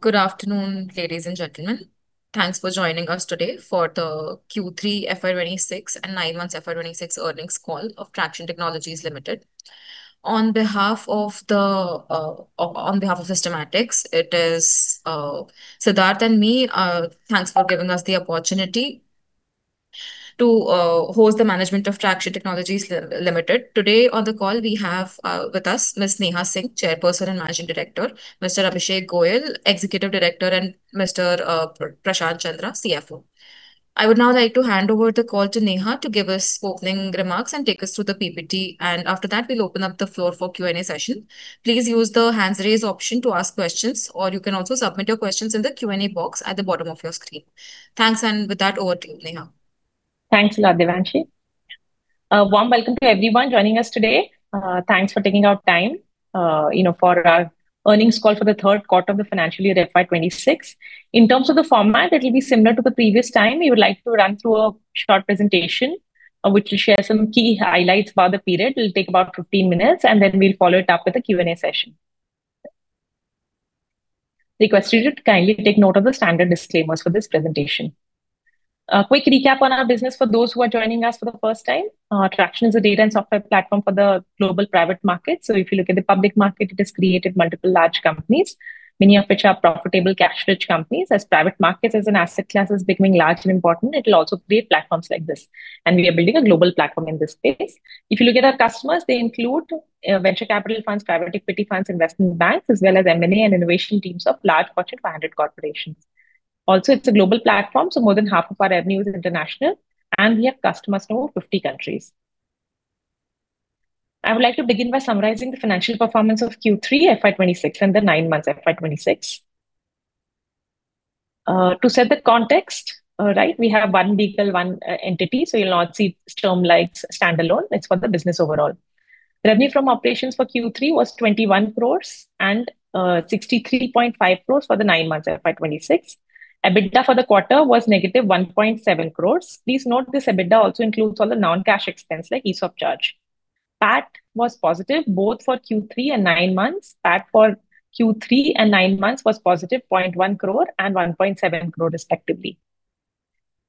Good afternoon, ladies and gentlemen. Thanks for joining us today for the Q3 FY26 and 9 Months FY26 Earnings Call of Tracxn Technologies Limited. On behalf of Systematix, it is Sidharth and me. Thanks for giving us the opportunity to host the management of Tracxn Technologies Limited. Today on the call we have with us Ms. Neha Singh, Chairperson and Managing Director, Mr. Abhishek Goyal, Executive Director, and Mr. Prashant Chandra, CFO. I would now like to hand over the call to Neha to give us opening remarks and take us through the PPT, and after that, we'll open up the floor for Q&A session. Please use the Raise Hand option to ask questions, or you can also submit your questions in the Q&A box at the bottom of your screen. Thanks, and with that, over to you, Neha. Thanks a lot, Devanshi. A warm welcome to everyone joining us today. Thanks for taking out time, you know, for our earnings call for the third quarter of the financial year FY 2026. In terms of the format, it'll be similar to the previous time. We would like to run through a short presentation, which will share some key highlights about the period. It'll take about 15 minutes, and then we'll follow it up with a Q&A session. Request you to kindly take note of the standard disclaimers for this presentation. A quick recap on our business for those who are joining us for the first time. Tracxn is a data and software platform for the global private market. So if you look at the public market, it has created multiple large companies, many of which are profitable, cash-rich companies. As private markets as an asset class is becoming large and important, it will also create platforms like this, and we are building a global platform in this space. If you look at our customers, they include venture capital funds, private equity funds, investment banks, as well as M&A and innovation teams of large Fortune 500 corporations. Also, it's a global platform, so more than half of our revenue is international, and we have customers in over 50 countries. I would like to begin by summarizing the financial performance of Q3 FY 2026 and the nine months FY 2026. To set the context, right, we have 1 vehicle, 1 entity, so you'll not see terms like standalone. It's for the business overall. Revenue from operations for Q3 was 21 crore and 63.5 crore for the nine months FY 2026. EBITDA for the quarter was negative 1.7 crore. Please note, this EBITDA also includes all the non-cash expense, like ESOP charge. PAT was positive both for Q3 and nine months. PAT for Q3 and nine months was positive 0.1 crore and 1.7 crore respectively.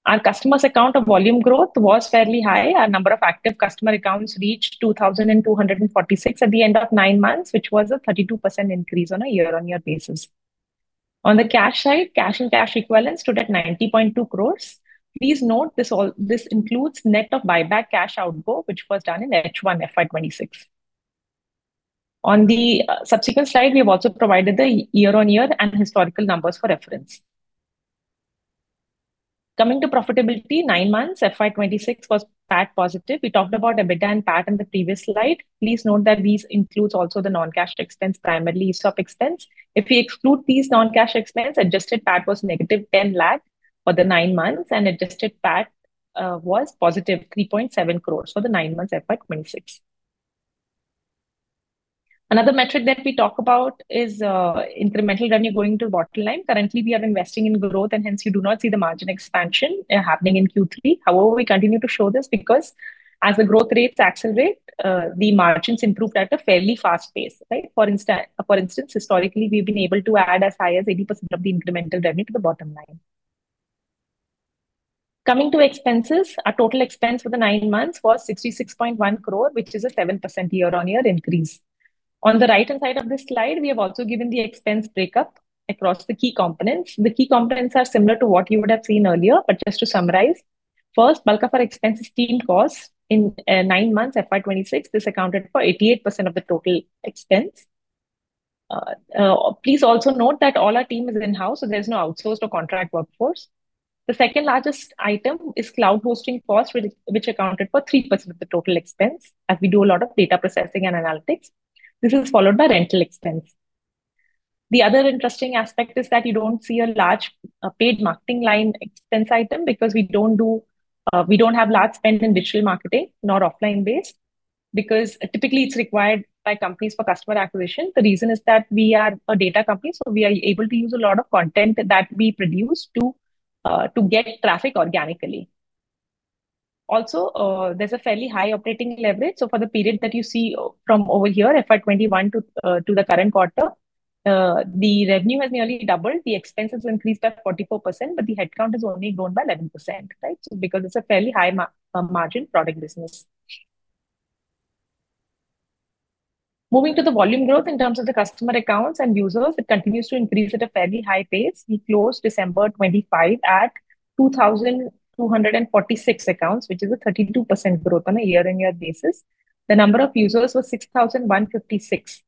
Our customer account volume growth was fairly high. Our number of active customer accounts reached 2,246 at the end of nine months, which was a 32% increase on a year-on-year basis. On the cash side, cash and cash equivalents stood at 90.2 crore. Please note, this includes net of buyback cash outflow, which was done in H1 FY 2026. On the subsequent slide, we have also provided the year-on-year and historical numbers for reference. Coming to profitability, nine months FY 2026 was PAT positive. We talked about EBITDA and PAT in the previous slide. Please note that these includes also the non-cash expense, primarily ESOP expense. If we exclude these non-cash expense, adjusted PAT was -10 lakh for the nine months, and adjusted PAT was 3.7 crores for the nine months FY 2026. Another metric that we talk about is incremental revenue going to bottom line. Currently, we are investing in growth, and hence you do not see the margin expansion happening in Q3. However, we continue to show this because as the growth rates accelerate, the margins improved at a fairly fast pace, right? For instance, historically, we've been able to add as high as 80% of the incremental revenue to the bottom line. Coming to expenses, our total expense for the nine months was 66.1 crore, which is a 7% year-on-year increase. On the right-hand side of this slide, we have also given the expense breakup across the key components. The key components are similar to what you would have seen earlier, but just to summarize, first, bulk of our expense is team cost. In nine months FY 2026, this accounted for 88% of the total expense. Please also note that all our team is in-house, so there's no outsourced or contract workforce. The second largest item is cloud hosting costs, which accounted for 3% of the total expense, as we do a lot of data processing and analytics. This is followed by rental expense. The other interesting aspect is that you don't see a large paid marketing line expense item because we don't do... We don't have large spend in digital marketing, nor offline-based, because typically it's required by companies for customer acquisition. The reason is that we are a data company, so we are able to use a lot of content that we produce to get traffic organically. Also, there's a fairly high operating leverage. So for the period that you see from over here, FY 2021 to the current quarter, the revenue has nearly doubled. The expenses increased by 44%, but the headcount has only grown by 11%, right? So because it's a fairly high margin product business. Moving to the volume growth in terms of the customer accounts and users, it continues to increase at a fairly high pace. We closed December 2025 at 2,246 accounts, which is a 32% growth on a year-on-year basis. The number of users was 6,156,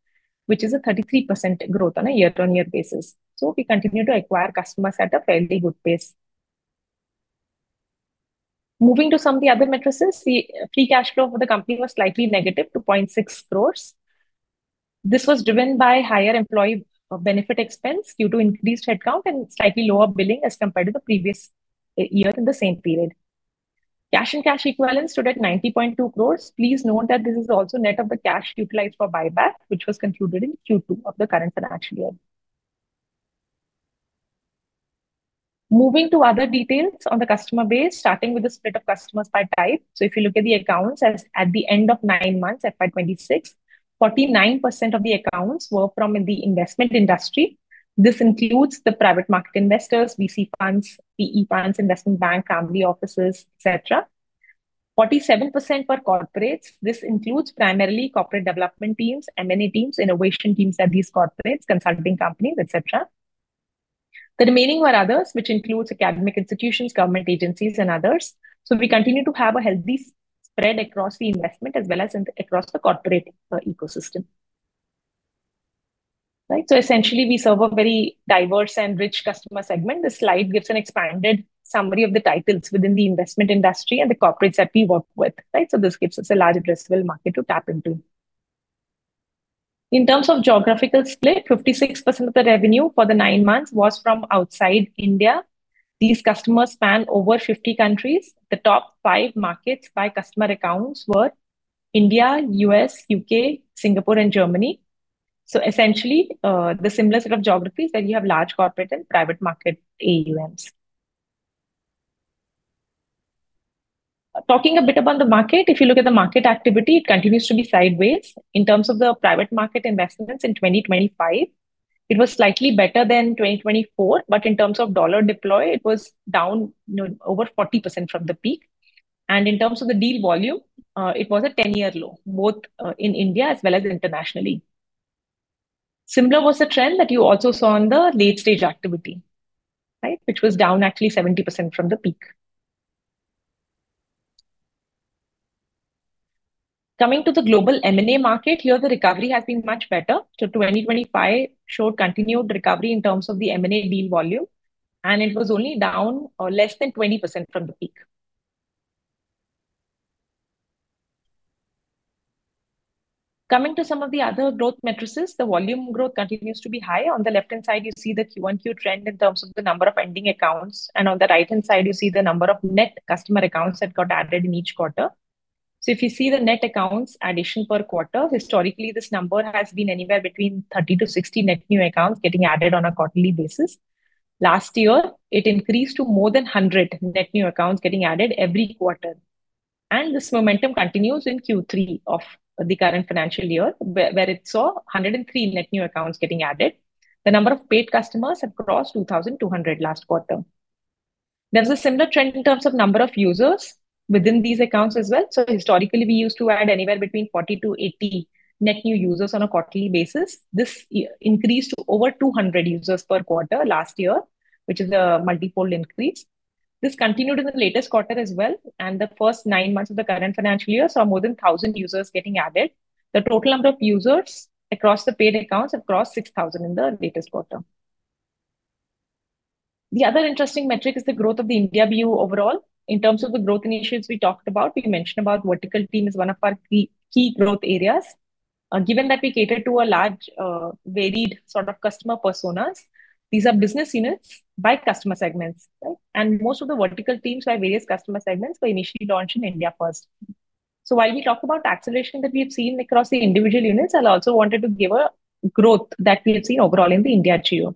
which is a 33% growth on a year-on-year basis. So we continue to acquire customers at a fairly good pace. Moving to some of the other metrics, the free cash flow for the company was slightly negative 2.6 crores. This was driven by higher employee benefit expense due to increased headcount and slightly lower billing as compared to the previous years in the same period. Cash and cash equivalents stood at 90.2 crores. Please note that this is also net of the cash utilized for buyback, which was concluded in Q2 of the current financial year.... Moving to other details on the customer base, starting with the split of customers by type. So if you look at the accounts as at the end of nine months, FY 2026, 49% of the accounts were from the investment industry. This includes the private market investors, VC funds, PE funds, investment bank, family offices, et cetera. 47% were corporates. This includes primarily corporate development teams, M&A teams, innovation teams at these corporates, consulting companies, et cetera. The remaining were others, which includes academic institutions, government agencies, and others. So we continue to have a healthy spread across the investment as well as across the corporate ecosystem. Right, so essentially, we serve a very diverse and rich customer segment. This slide gives an expanded summary of the titles within the investment industry and the corporates that we work with, right? So this gives us a large addressable market to tap into. In terms of geographical split, 56% of the revenue for the nine months was from outside India. These customers span over 50 countries. The top five markets by customer accounts were India, U.S., U.K., Singapore, and Germany. So essentially, the similar set of geographies where you have large corporate and private market AUMs. Talking a bit about the market, if you look at the market activity, it continues to be sideways. In terms of the private market investments in 2025, it was slightly better than 2024, but in terms of dollar deploy, it was down, you know, over 40% from the peak, and in terms of the deal volume, it was a ten-year low, both in India as well as internationally. Similar was the trend that you also saw on the late-stage activity, right? Which was down actually 70% from the peak. Coming to the global M&A market, here the recovery has been much better. So 2025 showed continued recovery in terms of the M&A deal volume, and it was only down less than 20% from the peak. Coming to some of the other growth metrics, the volume growth continues to be high. On the left-hand side, you see the QoQ trend in terms of the number of ending accounts, and on the right-hand side, you see the number of net customer accounts that got added in each quarter. So if you see the net accounts addition per quarter, historically, this number has been anywhere between 30 net-60 net new accounts getting added on a quarterly basis. Last year, it increased to more than 100 net new accounts getting added every quarter, and this momentum continues in Q3 of the current financial year, where it saw 103 net new accounts getting added. The number of paid customers have crossed 2,200 last quarter. There's a similar trend in terms of number of users within these accounts as well. So historically, we used to add anywhere between 40-80 net new users on a quarterly basis. This year increased to over 200 users per quarter last year, which is a multi-fold increase. This continued in the latest quarter as well, and the first 9 months of the current financial year saw more than 1,000 users getting added. The total number of users across the paid accounts have crossed 6,000 in the latest quarter. The other interesting metric is the growth of the India BU overall. In terms of the growth initiatives we talked about, we mentioned about vertical team is one of our key, key growth areas. Given that we cater to a large, varied sort of customer personas, these are business units by customer segments, right? And most of the vertical teams by various customer segments were initially launched in India first. So while we talk about the acceleration that we've seen across the individual units, I also wanted to give a growth that we've seen overall in the India geo.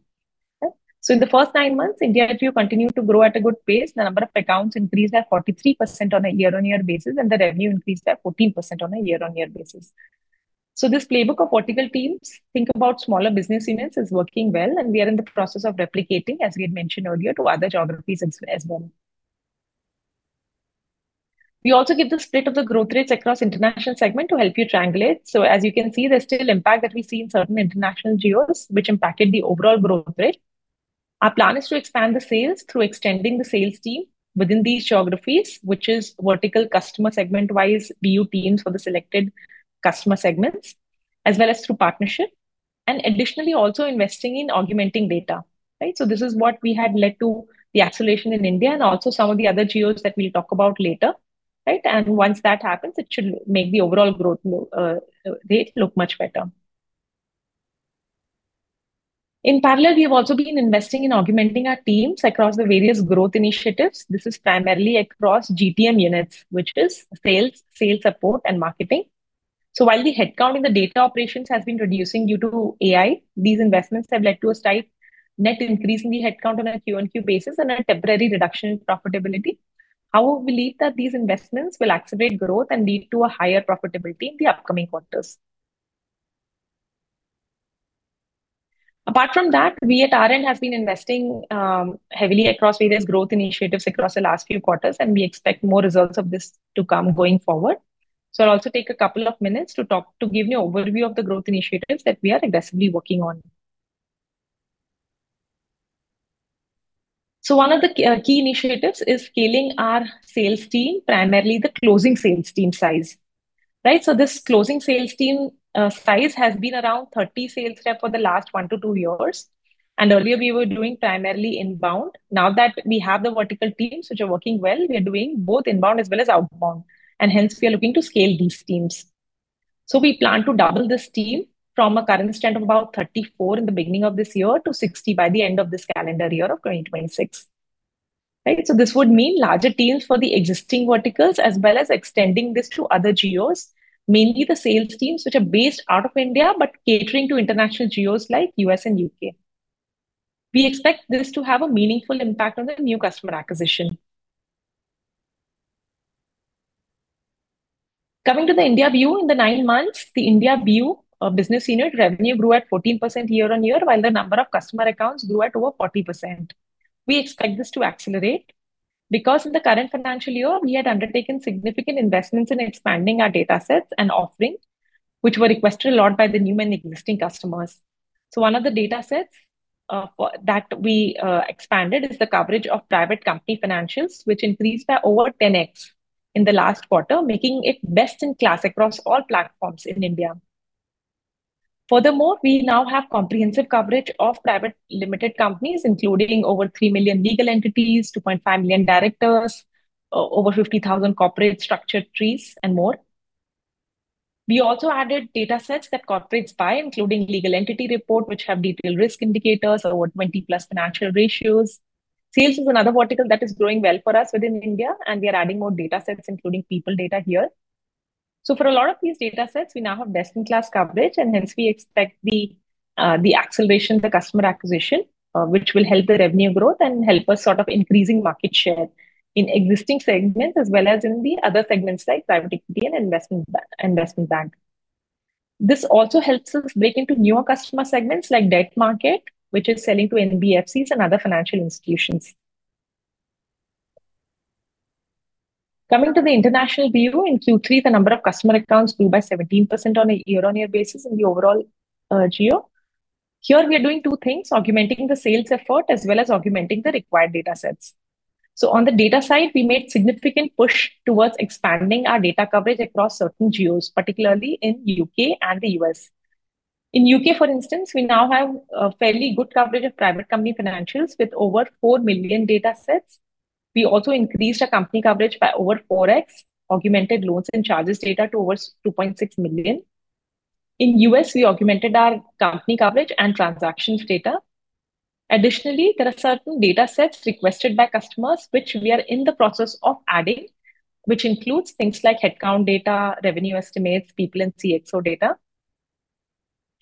Right? So in the first nine months, India geo continued to grow at a good pace. The number of accounts increased by 43% on a year-on-year basis, and the revenue increased by 14% on a year-on-year basis. So this playbook of vertical teams think about smaller business units is working well, and we are in the process of replicating, as we had mentioned earlier, to other geographies as, as well. We also give the split of the growth rates across international segment to help you triangulate. So as you can see, there's still impact that we see in certain international geos, which impacted the overall growth rate. Our plan is to expand the sales through extending the sales team within these geographies, which is vertical customer segment-wise, BU teams for the selected customer segments, as well as through partnership, and additionally, also investing in augmenting data, right? So this is what we had led to the acceleration in India and also some of the other geos that we'll talk about later, right? And once that happens, it should make the overall growth rate look much better. In parallel, we have also been investing in augmenting our teams across the various growth initiatives. This is primarily across GTM units, which is sales, sales support, and marketing. So while the headcount in the data operations has been reducing due to AI, these investments have led to a slight net increase in the headcount on a Q-on-Q basis and a temporary reduction in profitability. However, we believe that these investments will accelerate growth and lead to a higher profitability in the upcoming quarters. Apart from that, we at Tracxn have been investing heavily across various growth initiatives across the last few quarters, and we expect more results of this to come going forward. So I'll also take a couple of minutes to talk... to give you an overview of the growth initiatives that we are aggressively working on. So one of the key initiatives is scaling our sales team, primarily the closing sales team size, right? So this closing sales team size has been around 30 sales rep for the last 1 years-2 years, and earlier we were doing primarily inbound. Now that we have the vertical teams, which are working well, we are doing both inbound as well as outbound, and hence we are looking to scale these teams. So we plan to double this team from a current strength of about 34 in the beginning of this year to 60 by the end of this calendar year of 2026.... Right? So this would mean larger teams for the existing verticals, as well as extending this to other geos, mainly the sales teams, which are based out of India, but catering to international geos like U.S. and U.K. We expect this to have a meaningful impact on the new customer acquisition. Coming to the India BU, in the nine months, the India BU, business unit revenue grew at 14% year-on-year, while the number of customer accounts grew at over 40%. We expect this to accelerate because in the current financial year, we had undertaken significant investments in expanding our datasets and offerings, which were requested a lot by the new and existing customers. So one of the datasets that we expanded is the coverage of private company financials, which increased by over 10x in the last quarter, making it best-in-class across all platforms in India. Furthermore, we now have comprehensive coverage of private limited companies, including over 3 million legal entities, 2.5 million directors, over 50,000 corporate structure trees, and more. We also added datasets that corporates buy, including legal entity report, which have detailed risk indicators, over 20+ financial ratios. Sales is another vertical that is growing well for us within India, and we are adding more datasets, including people data here. So for a lot of these datasets, we now have best-in-class coverage, and hence we expect the acceleration of the customer acquisition, which will help the revenue growth and help us sort of increasing market share in existing segments as well as in the other segments like private equity and investment bank. This also helps us break into newer customer segments like debt market, which is selling to NBFCs and other financial institutions. Coming to the international BU, in Q3, the number of customer accounts grew by 17% on a year-on-year basis in the overall geo. Here, we are doing two things: augmenting the sales effort as well as augmenting the required datasets. So on the data side, we made significant push towards expanding our data coverage across certain geos, particularly in U.K. and the U.S. In U.K., for instance, we now have a fairly good coverage of private company financials with over 4 million datasets. We also increased our company coverage by over 4x, augmented loans and charges data to over 2.6 million. In U.S., we augmented our company coverage and transactions data. Additionally, there are certain datasets requested by customers, which we are in the process of adding, which includes things like headcount data, revenue estimates, people and CXO data.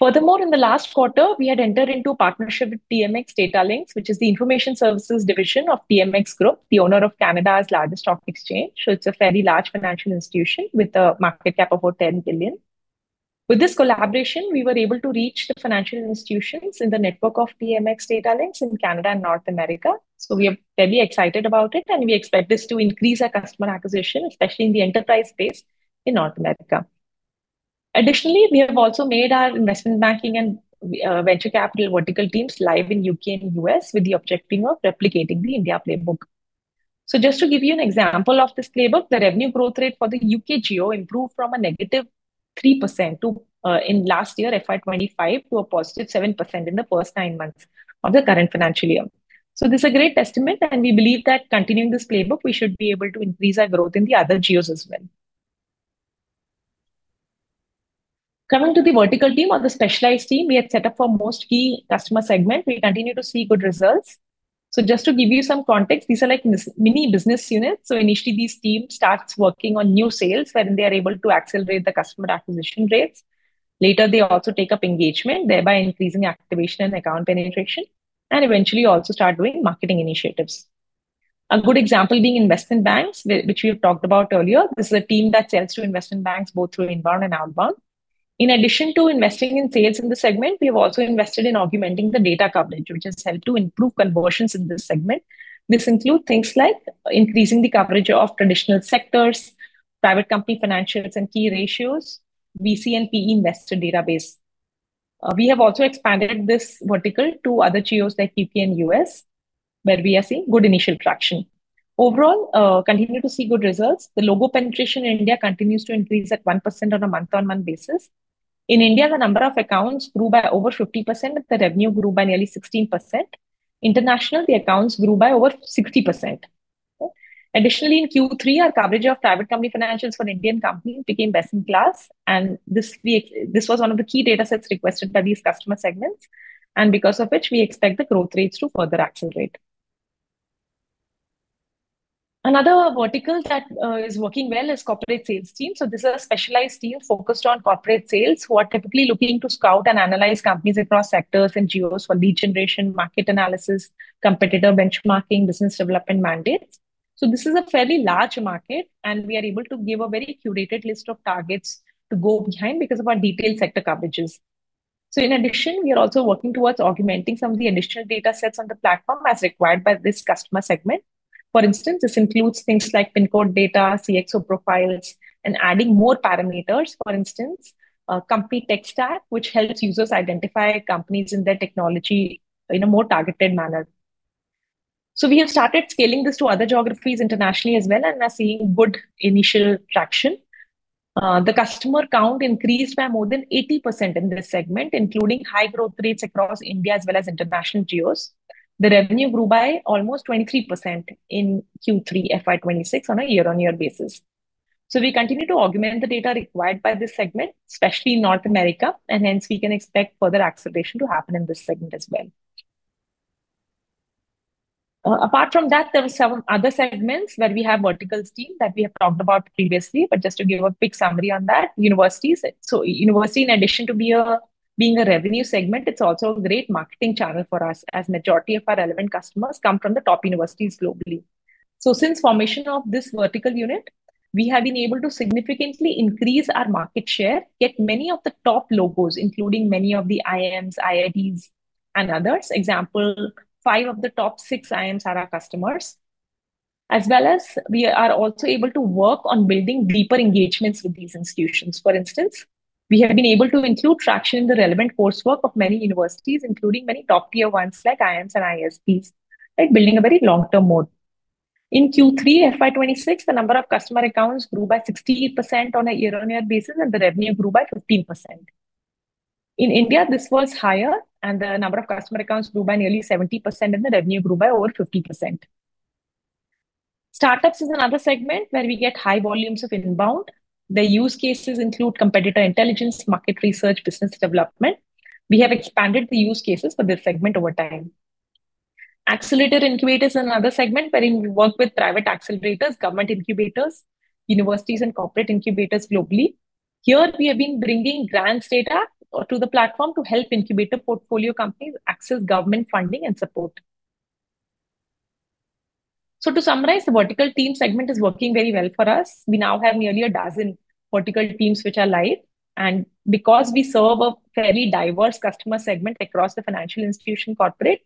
Furthermore, in the last quarter, we had entered into a partnership with TMX Datalinx, which is the information services division of TMX Group, the owner of Canada's largest stock exchange. So it's a fairly large financial institution with a market cap of over 10 billion. With this collaboration, we were able to reach the financial institutions in the network of TMX Datalinx in Canada and North America, so we are very excited about it, and we expect this to increase our customer acquisition, especially in the enterprise space in North America. Additionally, we have also made our investment banking and venture capital vertical teams live in U.K. and U.S. with the objective of replicating the India playbook. So just to give you an example of this playbook, the revenue growth rate for the U.K. geo improved from a negative 3% to in last year, FY 2025, to a positive 7% in the first 9 months of the current financial year. So this is a great testament, and we believe that continuing this playbook, we should be able to increase our growth in the other geos as well. Coming to the vertical team, on the specialized team, we had set up for most key customer segment, we continue to see good results. So just to give you some context, these are like mini business units. So initially, these team starts working on new sales, wherein they are able to accelerate the customer acquisition rates. Later, they also take up engagement, thereby increasing activation and account penetration, and eventually also start doing marketing initiatives. A good example being investment banks, which we have talked about earlier. This is a team that sells to investment banks, both through inbound and outbound. In addition to investing in sales in this segment, we have also invested in augmenting the data coverage, which has helped to improve conversions in this segment. This include things like increasing the coverage of traditional sectors, private company financials and key ratios, VC and PE investor database. We have also expanded this vertical to other geos like U.K. and U.S., where we are seeing good initial traction. Overall, continue to see good results. The logo penetration in India continues to increase at 1% on a month-on-month basis. In India, the number of accounts grew by over 50%, the revenue grew by nearly 16%. International, the accounts grew by over 60%. Additionally, in Q3, our coverage of private company financials for an Indian company became best-in-class, and this was one of the key datasets requested by these customer segments, and because of which, we expect the growth rates to further accelerate. Another vertical that is working well is corporate sales team. So this is a specialized team focused on corporate sales, who are typically looking to scout and analyze companies across sectors and geos for lead generation, market analysis, competitor benchmarking, business development mandates. So this is a fairly large market, and we are able to give a very curated list of targets to go behind because of our detailed sector coverages. So in addition, we are also working towards augmenting some of the additional datasets on the platform as required by this customer segment. For instance, this includes things like pin code data, CXO profiles, and adding more parameters. For instance, company tech stack, which helps users identify companies and their technology in a more targeted manner. So we have started scaling this to other geographies internationally as well, and are seeing good initial traction. The customer count increased by more than 80% in this segment, including high growth rates across India as well as international geos. The revenue grew by almost 23% in Q3 FY 2026 on a year-on-year basis. So we continue to augment the data required by this segment, especially in North America, and hence we can expect further acceleration to happen in this segment as well. Apart from that, there are some other segments where we have verticals team that we have talked about previously, but just to give a quick summary on that, universities. So universities, in addition to being a revenue segment, it's also a great marketing channel for us, as majority of our relevant customers come from the top universities globally. So since formation of this vertical unit, we have been able to significantly increase our market share, get many of the top logos, including many of the IIMs, IITs, and others. Example, five of the top six IIMs are our customers. As well as we are also able to work on building deeper engagements with these institutions. For instance, we have been able to include Tracxn in the relevant coursework of many universities, including many top-tier ones, like IIMs and ISBs, like building a very long-term mode. In Q3 FY 2026, the number of customer accounts grew by 68% on a year-on-year basis, and the revenue grew by 15%. In India, this was higher, and the number of customer accounts grew by nearly 70%, and the revenue grew by over 50%. Startups is another segment where we get high volumes of inbound. The use cases include competitor intelligence, market research, business development. We have expanded the use cases for this segment over time. Accelerator Incubator is another segment wherein we work with private accelerators, government incubators, universities, and corporate incubators globally. Here, we have been bringing grants data to the platform to help incubator portfolio companies access government funding and support. So to summarize, the vertical team segment is working very well for us. We now have nearly a dozen vertical teams which are live, and because we serve a fairly diverse customer segment across the financial institution corporate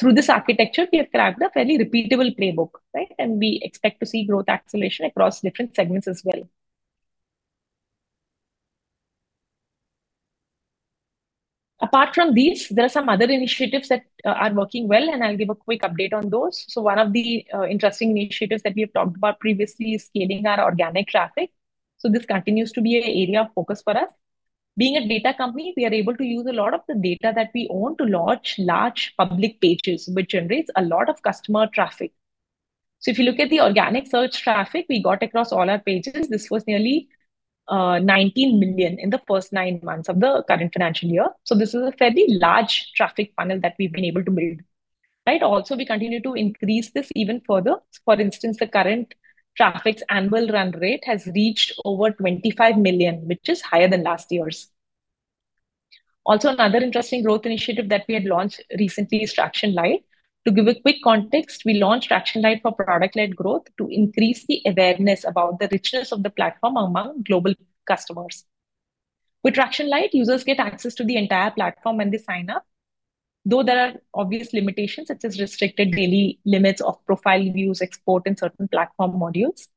through this architecture, we have cracked a fairly repeatable playbook, right? And we expect to see growth acceleration across different segments as well. Apart from these, there are some other initiatives that are working well, and I'll give a quick update on those. One of the interesting initiatives that we have talked about previously is scaling our organic traffic. This continues to be an area of focus for us. Being a data company, we are able to use a lot of the data that we own to launch large public pages, which generates a lot of customer traffic. If you look at the organic search traffic we got across all our pages, this was nearly 19 million in the first nine months of the current financial year. This is a fairly large traffic funnel that we've been able to build, right? Also, we continue to increase this even further. For instance, the current traffic's annual run rate has reached over 25 million, which is higher than last year's. Also, another interesting growth initiative that we had launched recently is Tracxn Lite. To give a quick context, we launched Tracxn Lite for product-led growth to increase the awareness about the richness of the platform among global customers. With Tracxn Lite, users get access to the entire platform when they sign up, though there are obvious limitations, such as restricted daily limits of profile views, export, and certain platform modules.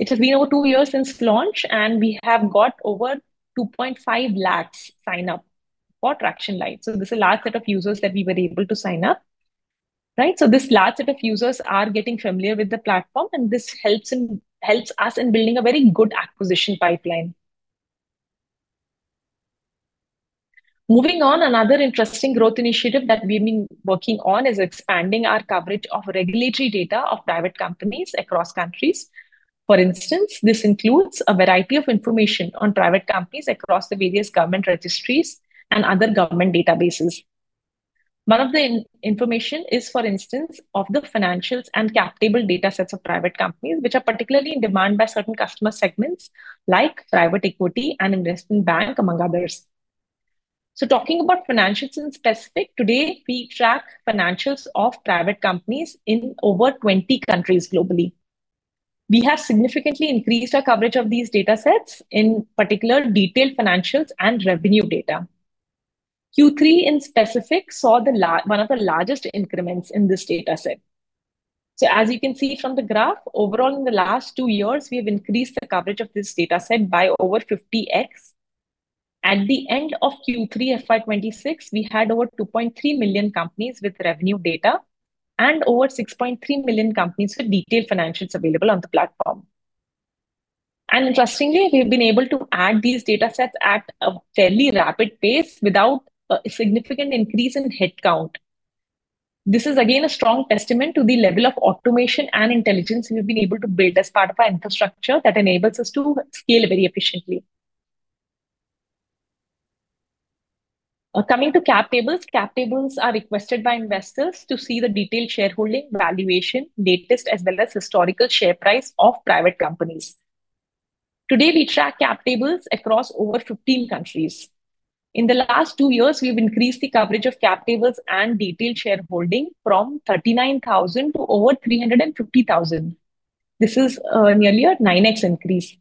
It has been over two years since launch, and we have got over 2.5 lakhs sign up for Tracxn Lite. So this is a large set of users that we were able to sign up, right? So this large set of users are getting familiar with the platform, and this helps us in building a very good acquisition pipeline. Moving on, another interesting growth initiative that we've been working on is expanding our coverage of regulatory data of private companies across countries. For instance, this includes a variety of information on private companies across the various government registries and other government databases. One of the information is, for instance, of the financials and cap table datasets of private companies, which are particularly in demand by certain customer segments, like private equity and investment bank, among others. So talking about financials in specific, today, we track financials of private companies in over 20 countries globally. We have significantly increased our coverage of these datasets, in particular, detailed financials and revenue data. Q3, in specific, saw the one of the largest increments in this dataset. So as you can see from the graph, overall, in the last two years, we've increased the coverage of this dataset by over 50x. At the end of Q3 FY26, we had over 2.3 million companies with revenue data and over 6.3 million companies with detailed financials available on the platform. And interestingly, we've been able to add these datasets at a fairly rapid pace without a significant increase in headcount. This is, again, a strong testament to the level of automation and intelligence we've been able to build as part of our infrastructure that enables us to scale very efficiently. Coming to cap tables, cap tables are requested by investors to see the detailed shareholding, valuation, latest, as well as historical share price of private companies. Today, we track cap tables across over 15 countries. In the last two years, we've increased the coverage of cap tables and detailed shareholding from 39,000 to over 350,000. This is nearly a 9x increase.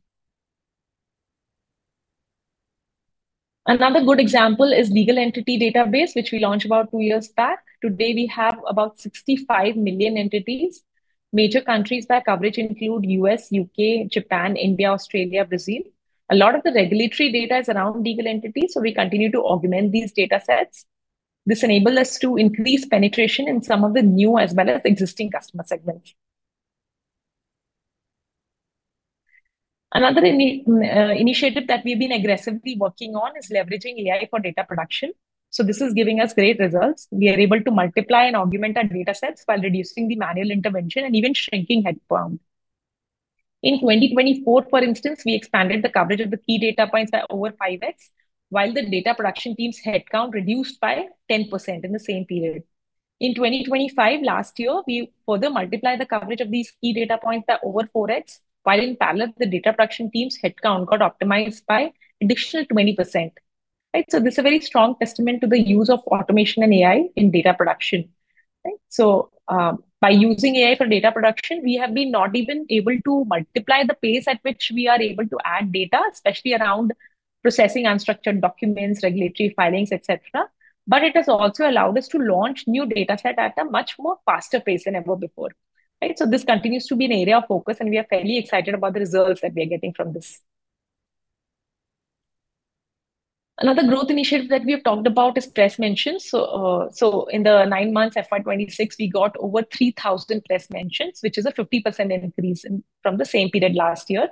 Another good example is legal entity database, which we launched about two years back. Today, we have about 65 million entities. Major countries that coverage include U.S., U.K., Japan, India, Australia, Brazil. A lot of the regulatory data is around legal entities, so we continue to augment these datasets. This enable us to increase penetration in some of the new as well as existing customer segments. Another initiative that we've been aggressively working on is leveraging AI for data production. So this is giving us great results. We are able to multiply and augment our data sets while reducing the manual intervention and even shrinking headcount. In 2024, for instance, we expanded the coverage of the key data points by over 5x, while the data production team's headcount reduced by 10% in the same period. In 2025, last year, we further multiplied the coverage of these key data points by over 4x, while in parallel, the data production team's headcount got optimized by additional 20%. Right? So this is a very strong testament to the use of automation and AI in data production. Right? So, by using AI for data production, we have been not even able to multiply the pace at which we are able to add data, especially around processing unstructured documents, regulatory filings, et cetera. But it has also allowed us to launch new dataset at a much more faster pace than ever before, right? So this continues to be an area of focus, and we are fairly excited about the results that we are getting from this. Another growth initiative that we have talked about is press mentions. In the nine months, FY 2026, we got over 3,000 press mentions, which is a 50% increase from the same period last year.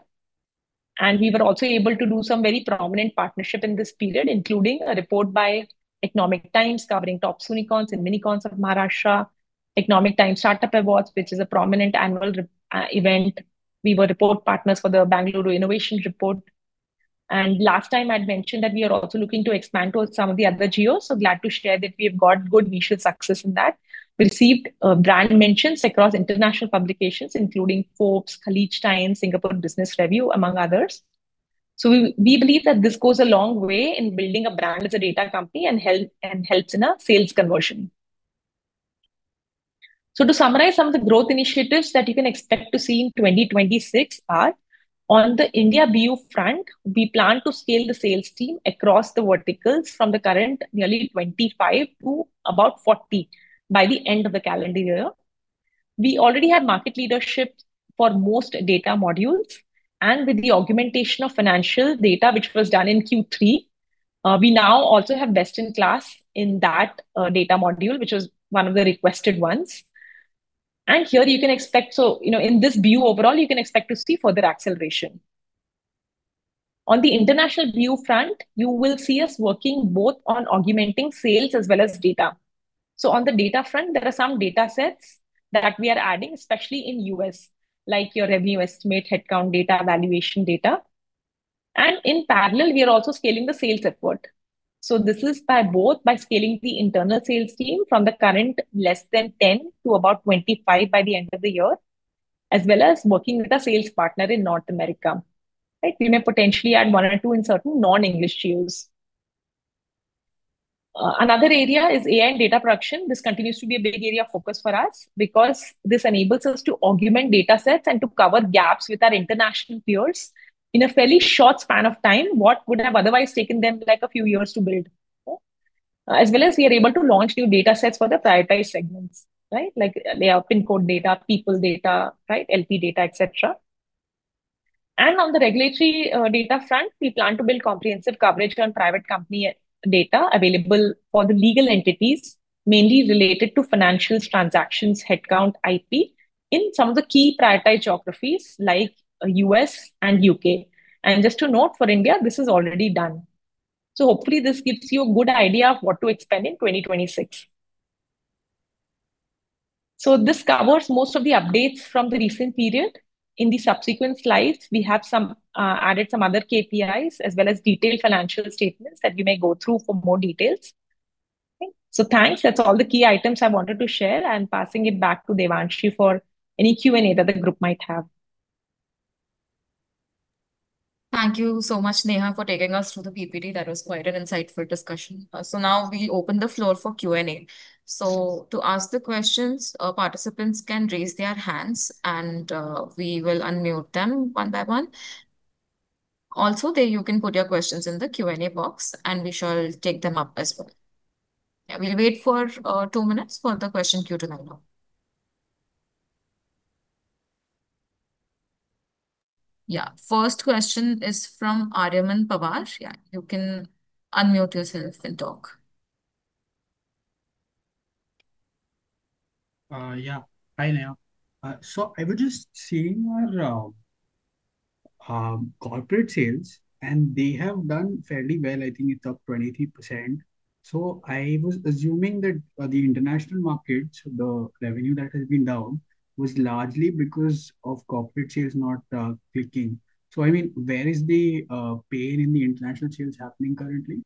We were also able to do some very prominent partnership in this period, including a report by Economic Times covering top unicorns and minicorns of Maharashtra, Economic Times Startup Awards, which is a prominent annual event. We were report partners for the Bengaluru Innovation Report. Last time, I'd mentioned that we are also looking to expand towards some of the other geos, so glad to share that we have got good initial success in that. We received brand mentions across international publications including Forbes, Khaleej Times, Singapore Business Review, among others. So we believe that this goes a long way in building a brand as a data company and helps in our sales conversion. So to summarize, some of the growth initiatives that you can expect to see in 2026 are: on the India BU front, we plan to scale the sales team across the verticals from the current nearly 25 to about 40 by the end of the calendar year. We already have market leadership for most data modules, and with the augmentation of financial data, which was done in Q3, we now also have best-in-class in that data module, which was one of the requested ones. And here you can expect... So, you know, in this view, overall, you can expect to see further acceleration. On the international BU front, you will see us working both on augmenting sales as well as data. So on the data front, there are some datasets that we are adding, especially in U.S., like your revenue estimate, headcount data, valuation data. And in parallel, we are also scaling the sales effort. So this is by both by scaling the internal sales team from the current less than 10 to about 25 by the end of the year, as well as working with a sales partner in North America. Right? We may potentially add one or two in certain non-English geos. Another area is AI and data production. This continues to be a big area of focus for us because this enables us to augment datasets and to cover gaps with our international peers in a fairly short span of time, what would have otherwise taken them, like, a few years to build. As well as we are able to launch new datasets for the prioritized segments, right? Like layout pin code data, people data, right, LP data, et cetera. And on the regulatory data front, we plan to build comprehensive coverage on private company data available for the legal entities, mainly related to financials, transactions, headcount, IP, in some of the key prioritized geographies like U.S. and U.K. And just to note, for India, this is already done. So hopefully this gives you a good idea of what to expect in 2026. So this covers most of the updates from the recent period. In the subsequent slides, we have some, added some other KPIs, as well as detailed financial statements that we may go through for more details. So thanks. That's all the key items I wanted to share, and passing it back to Devanshi for any Q&A that the group might have. Thank you so much, Neha, for taking us through the PPT. That was quite an insightful discussion. So now we open the floor for Q&A. To ask the questions, participants can raise their hands, and we will unmute them one by one. Also, there you can put your questions in the Q&A box, and we shall take them up as well. Yeah, we'll wait for two minutes for the question queue to line up. Yeah, first question is from Aryaman Pawar. Yeah, you can unmute yourself and talk. Yeah. Hi, Neha. So I was just seeing your corporate sales, and they have done fairly well. I think it's up 23%. So I was assuming that the international markets, the revenue that has been down, was largely because of corporate sales not clicking. So, I mean, where is the pain in the international sales happening currently?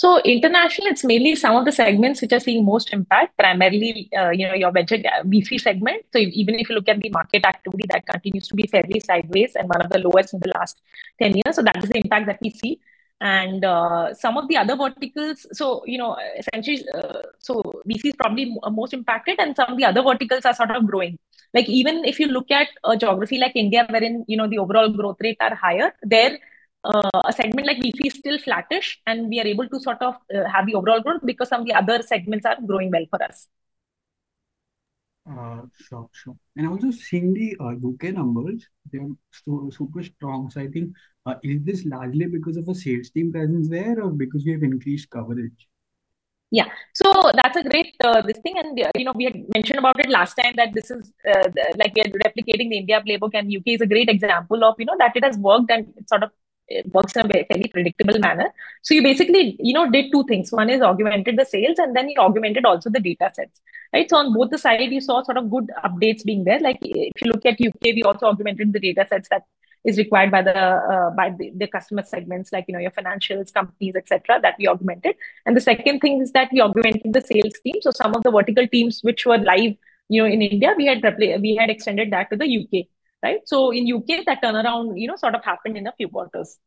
So international, it's mainly some of the segments which are seeing most impact, primarily, you know, your B2B, the B2B segment. So even if you look at the market activity, that continues to be fairly sideways and one of the lowest in the last 10 years. So that is the impact that we see. And some of the other verticals. So, you know, essentially, so B2C is probably most impacted, and some of the other verticals are sort of growing. Like, even if you look at a geography like India, wherein, you know, the overall growth rate are higher, there a segment like B2C is still flattish, and we are able to sort of have the overall growth because some of the other segments are growing well for us. Sure, sure. And also seeing the U.K. numbers, they're so super strong. So I think, is this largely because of a sales team presence there or because we have increased coverage? Yeah. So that's a great this thing, and, you know, we had mentioned about it last time that this is, like we are replicating the India playbook, and UK is a great example of, you know, that it has worked and it sort of, it works in a very predictable manner. So you basically, you know, did two things. One is augmented the sales, and then you augmented also the data sets, right? So on both the side, you saw sort of good updates being there. Like, if you look at UK, we also augmented the data sets that is required by the, by the, the customer segments, like, you know, your financials companies, et cetera, that we augmented. And the second thing is that we augmented the sales team. So some of the vertical teams which were live, you know, in India, we had extended that to the UK, right? So in UK, that turnaround, you know, sort of happened in a few quarters.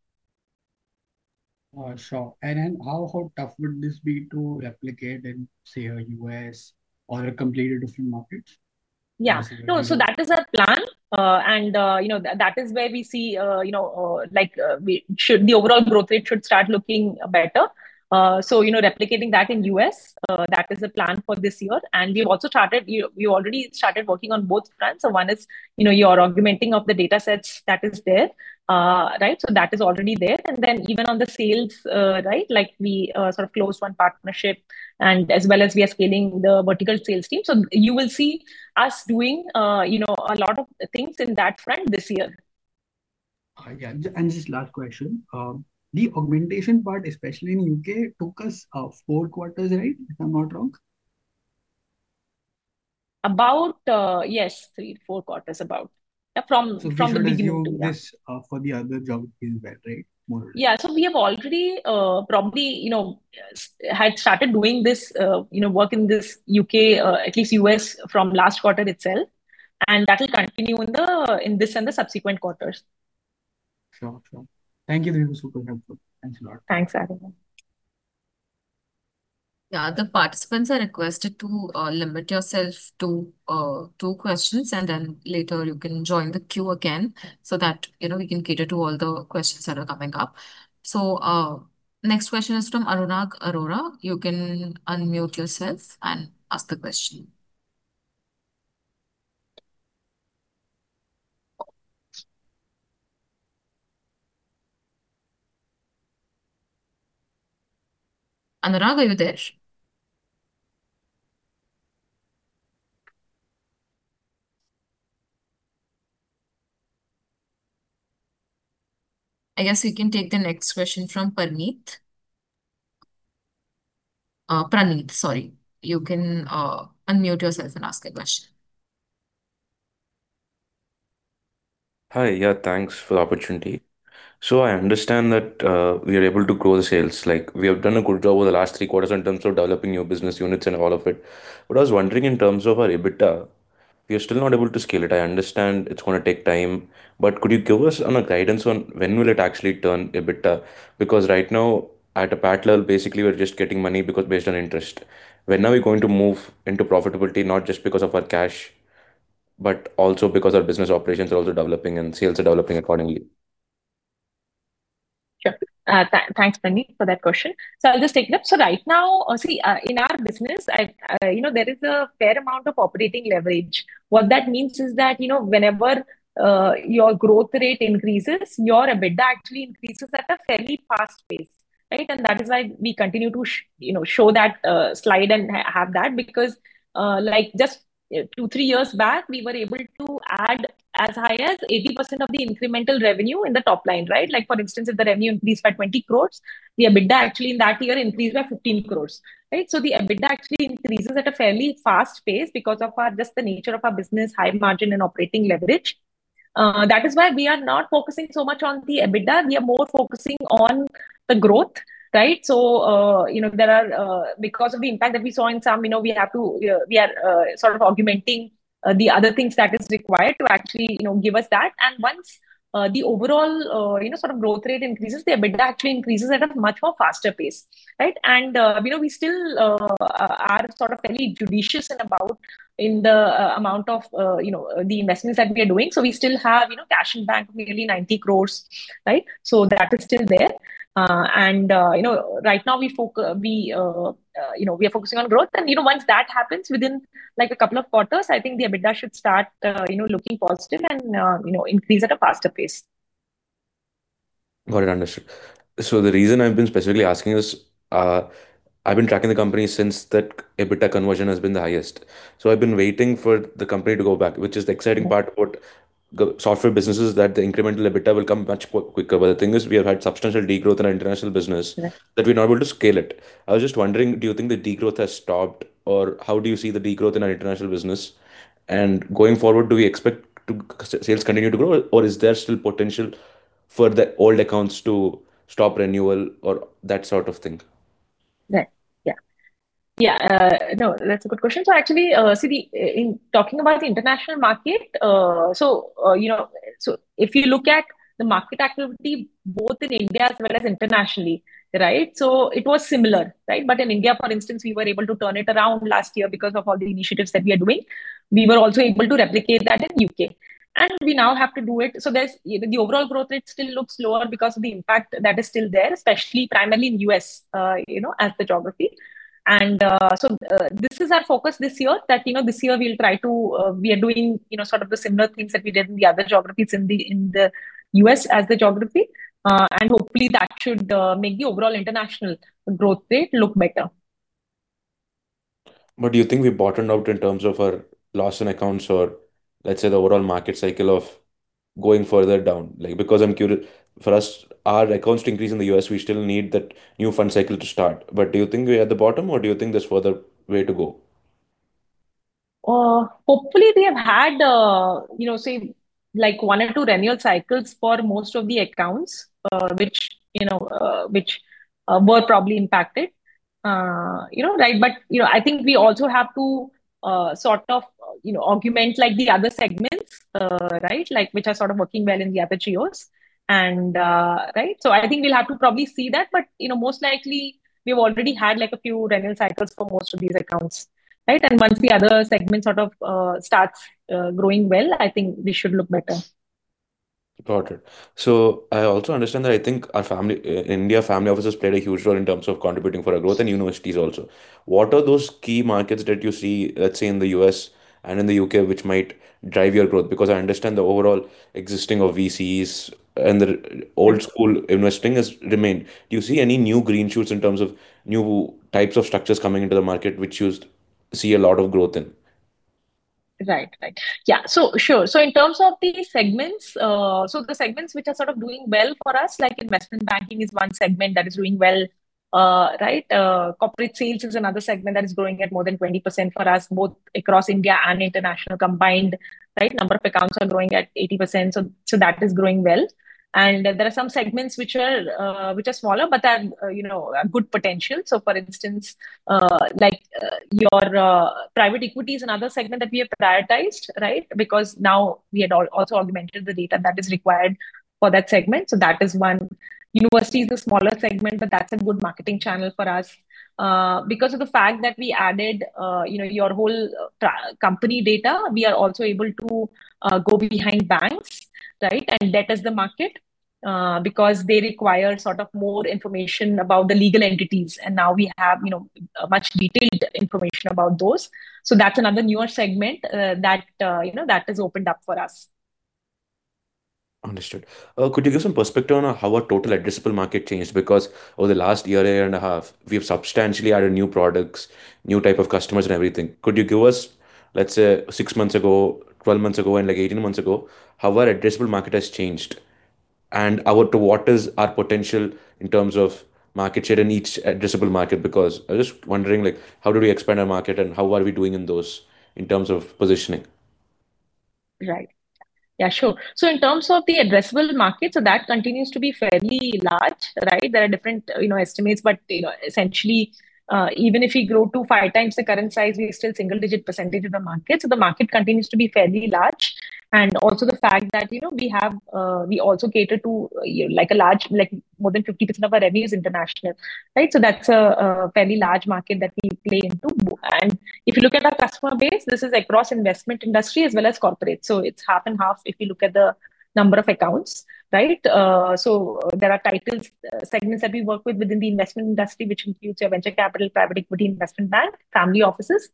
Sure. How tough would this be to replicate in, say, a U.S. or a completely different market? Yeah. No, so that is our plan. And, you know, that is where we see, you know, like, should the overall growth rate should start looking better. So, you know, replicating that in U.S., that is the plan for this year. And we've also started. We, we already started working on both fronts. So one is, you know, your augmenting of the data sets that is there. Right? So that is already there. And then even on the sales, right, like we sort of closed one partnership and as well as we are scaling the vertical sales team. So you will see us doing, you know, a lot of things in that front this year. Yeah. And just last question. The augmentation part, especially in U.K., took us four quarters, right? If I'm not wrong. Yes, 3-4 quarters about. Yeah, from the beginning- So this, for the other job is better, right? More- Yeah. So we have already, probably, you know, had started doing this, you know, work in the U.K., at least U.S. from last quarter itself, and that will continue in this and the subsequent quarters. Sure. Sure. Thank you. This was super helpful. Thanks a lot. Thanks, Aryaman. Yeah, the participants are requested to limit yourself to two questions, and then later you can join the queue again so that, you know, we can cater to all the questions that are coming up. So, next question is from Anurag Arora. You can unmute yourself and ask the question. Anurag, are you there? I guess we can take the next question from Praneet. Praneet, sorry. You can unmute yourself and ask a question. Hi. Yeah, thanks for the opportunity. So I understand that we are able to grow the sales, like we have done a good job over the last three quarters in terms of developing new business units and all of it. But I was wondering, in terms of our EBITDA, we are still not able to scale it. I understand it's gonna take time, but could you give us a guidance on when will it actually turn EBITDA? Because right now, at a PAT level, basically we're just getting money because based on interest. When are we going to move into profitability, not just because of our cash, but also because our business operations are also developing and sales are developing accordingly? Sure. Thanks, Praneet, for that question. So I'll just take it up. So right now, see, in our business, you know, there is a fair amount of operating leverage. What that means is that, you know, whenever your growth rate increases, your EBITDA actually increases at a fairly fast pace, right? And that is why we continue to show that slide and have that, because, like just 2 years, 3 years back, we were able to add as high as 80% of the incremental revenue in the top line, right? Like, for instance, if the revenue increased by 20 crore, the EBITDA actually in that year increased by 15 crore, right? So the EBITDA actually increases at a fairly fast pace because of our, just the nature of our business, high margin and operating leverage. That is why we are not focusing so much on the EBITDA, we are more focusing on the growth, right? So, you know, there are... Because of the impact that we saw in some, you know, we have to, we are, sort of augmenting, the other things that is required to actually, you know, give us that. And once, the overall, you know, sort of growth rate increases, the EBITDA actually increases at a much more faster pace, right? And, you know, we still, are sort of fairly judicious and about in the, amount of, you know, the investments that we are doing. So we still have, you know, cash in bank, nearly 90 crore, right? So that is still there. And, you know, right now we are focusing on growth. And, you know, once that happens, within, like a couple of quarters, I think the EBITDA should start, you know, looking positive and, you know, increase at a faster pace. Got it, understood. So the reason I've been specifically asking this, I've been tracking the company since that EBITDA conversion has been the highest. So I've been waiting for the company to go back, which is the exciting part about the software business, is that the incremental EBITDA will come much quicker. But the thing is, we have had substantial degrowth in our international business- Right. That we're not able to scale it. I was just wondering, do you think the degrowth has stopped, or how do you see the degrowth in our international business? And going forward, do we expect sales to continue to grow, or is there still potential for the old accounts to stop renewal or that sort of thing? Right. Yeah. Yeah, no, that's a good question. So actually, see, in talking about the international market, so, you know, so if you look at the market activity, both in India as well as internationally, right? So it was similar, right? But in India, for instance, we were able to turn it around last year because of all the initiatives that we are doing. We were also able to replicate that in U.K., and we now have to do it. So there's... The overall growth rate still looks lower because of the impact that is still there, especially primarily in U.S., you know, as the geography. So, this is our focus this year, that, you know, this year we'll try to, we are doing, you know, sort of the similar things that we did in the other geographies in the U.S. as the geography, and hopefully that should make the overall international growth rate look better. But do you think we bottomed out in terms of our loss in accounts or, let's say, the overall market cycle of going further down? Like, because I'm curious, for us, our accounts to increase in the U.S., we still need that new fund cycle to start. But do you think we're at the bottom, or do you think there's further way to go? Hopefully we have had, you know, say, like one or two renewal cycles for most of the accounts, which, you know, which were probably impacted. You know, right, but, you know, I think we also have to, sort of, you know, augment like the other segments, right, like, which are sort of working well in the other geos, and, right? So I think we'll have to probably see that. But, you know, most likely, we've already had, like, a few renewal cycles for most of these accounts, right? And once the other segments sort of, starts, growing well, I think we should look better. Got it. So I also understand that I think our family India family offices played a huge role in terms of contributing for our growth and universities also. What are those key markets that you see, let's say, in the U.S. and in the U.K., which might drive your growth? Because I understand the overall existing of VCs and the old school investing has remained. Do you see any new green shoots in terms of new types of structures coming into the market, which you see a lot of growth in? Right. Right. Yeah, so sure. So in terms of the segments, so the segments which are sort of doing well for us, like investment banking is one segment that is doing well, right? Corporate sales is another segment that is growing at more than 20% for us, both across India and international combined, right? Number of accounts are growing at 80%, so, so that is growing well. And there are some segments which are smaller, but they are, you know, have good potential. So for instance, like your private equity is another segment that we have prioritized, right? Because now we had also augmented the data that is required for that segment, so that is one. University is a smaller segment, but that's a good marketing channel for us. Because of the fact that we added, you know, your whole Tracxn company data, we are also able to go behind banks, right? And that is the market because they require sort of more information about the legal entities, and now we have, you know, much detailed information about those. So that's another newer segment that, you know, that has opened up for us. Understood. Could you give some perspective on how our total addressable market changed? Because over the last year, year and a half, we've substantially added new products, new type of customers and everything. Could you give us, let's say, 6 months ago, 12 months ago, and, like, 18 months ago, how our addressable market has changed, and our... what is our potential in terms of market share in each addressable market? Because I'm just wondering, like, how do we expand our market and how are we doing in those in terms of positioning? Right. Yeah, sure. So in terms of the addressable market, so that continues to be fairly large, right? There are different, you know, estimates, but, you know, essentially, even if we grow to five times the current size, we're still single-digit percentage of the market, so the market continues to be fairly large. And also the fact that, you know, we have... we also cater to, like a large—like, more than 50% of our revenue is international, right? So that's a fairly large market that we play into. And if you look at our customer base, this is across investment industry as well as corporate, so it's half and half if you look at the number of accounts, right? So, there are titles, segments that we work with within the investment industry, which includes your venture capital, private equity, investment bank, family offices.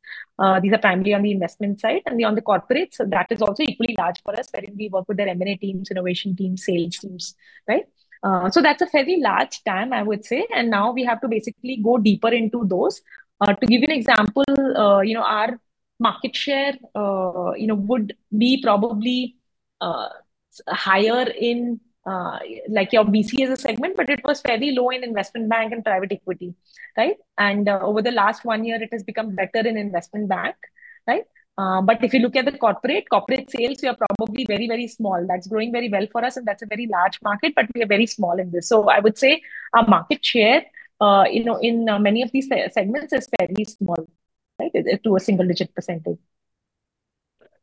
These are primarily on the investment side. And on the corporate, so that is also equally large for us, wherein we work with their M&A teams, innovation teams, sales teams, right? So that's a fairly large TAM, I would say, and now we have to basically go deeper into those. To give you an example, you know, our market share, you know, would be probably higher in, like your VC as a segment, but it was fairly low in investment bank and private equity, right? And, over the last one year, it has become better in investment bank, right? But if you look at the corporate, corporate sales, we are probably very, very small. That's growing very well for us, and that's a very large market, but we are very small in this. So I would say our market share, you know, in many of these segments is fairly small, right? To a single-digit %.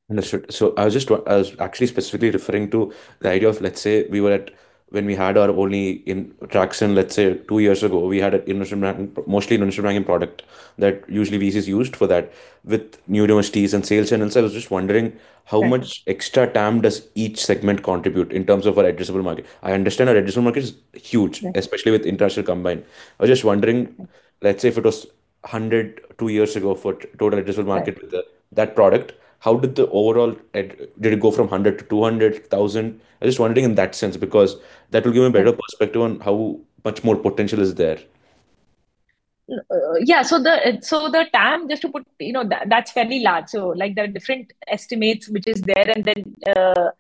Understood. So I was just I was actually specifically referring to the idea of, let's say, we were at... when we had our only Tracxn, let's say two years ago, we had an investment banking, mostly investment banking product that usually VCs used for that. With new universities and sales channels, I was just wondering- Right... how much extra TAM does each segment contribute in terms of our addressable market? I understand our addressable market is huge- Right... especially with international combined. I was just wondering, let's say, if it was 100, 2 years ago, for total addressable market- Right... with the, that product, how did the overall, did it go from 100,000 to 200,000? I'm just wondering in that sense, because that will give a better perspective on how much more potential is there. Yeah, so the TAM, just to put... You know, that, that's fairly large. So, like, there are different estimates which is there, and then,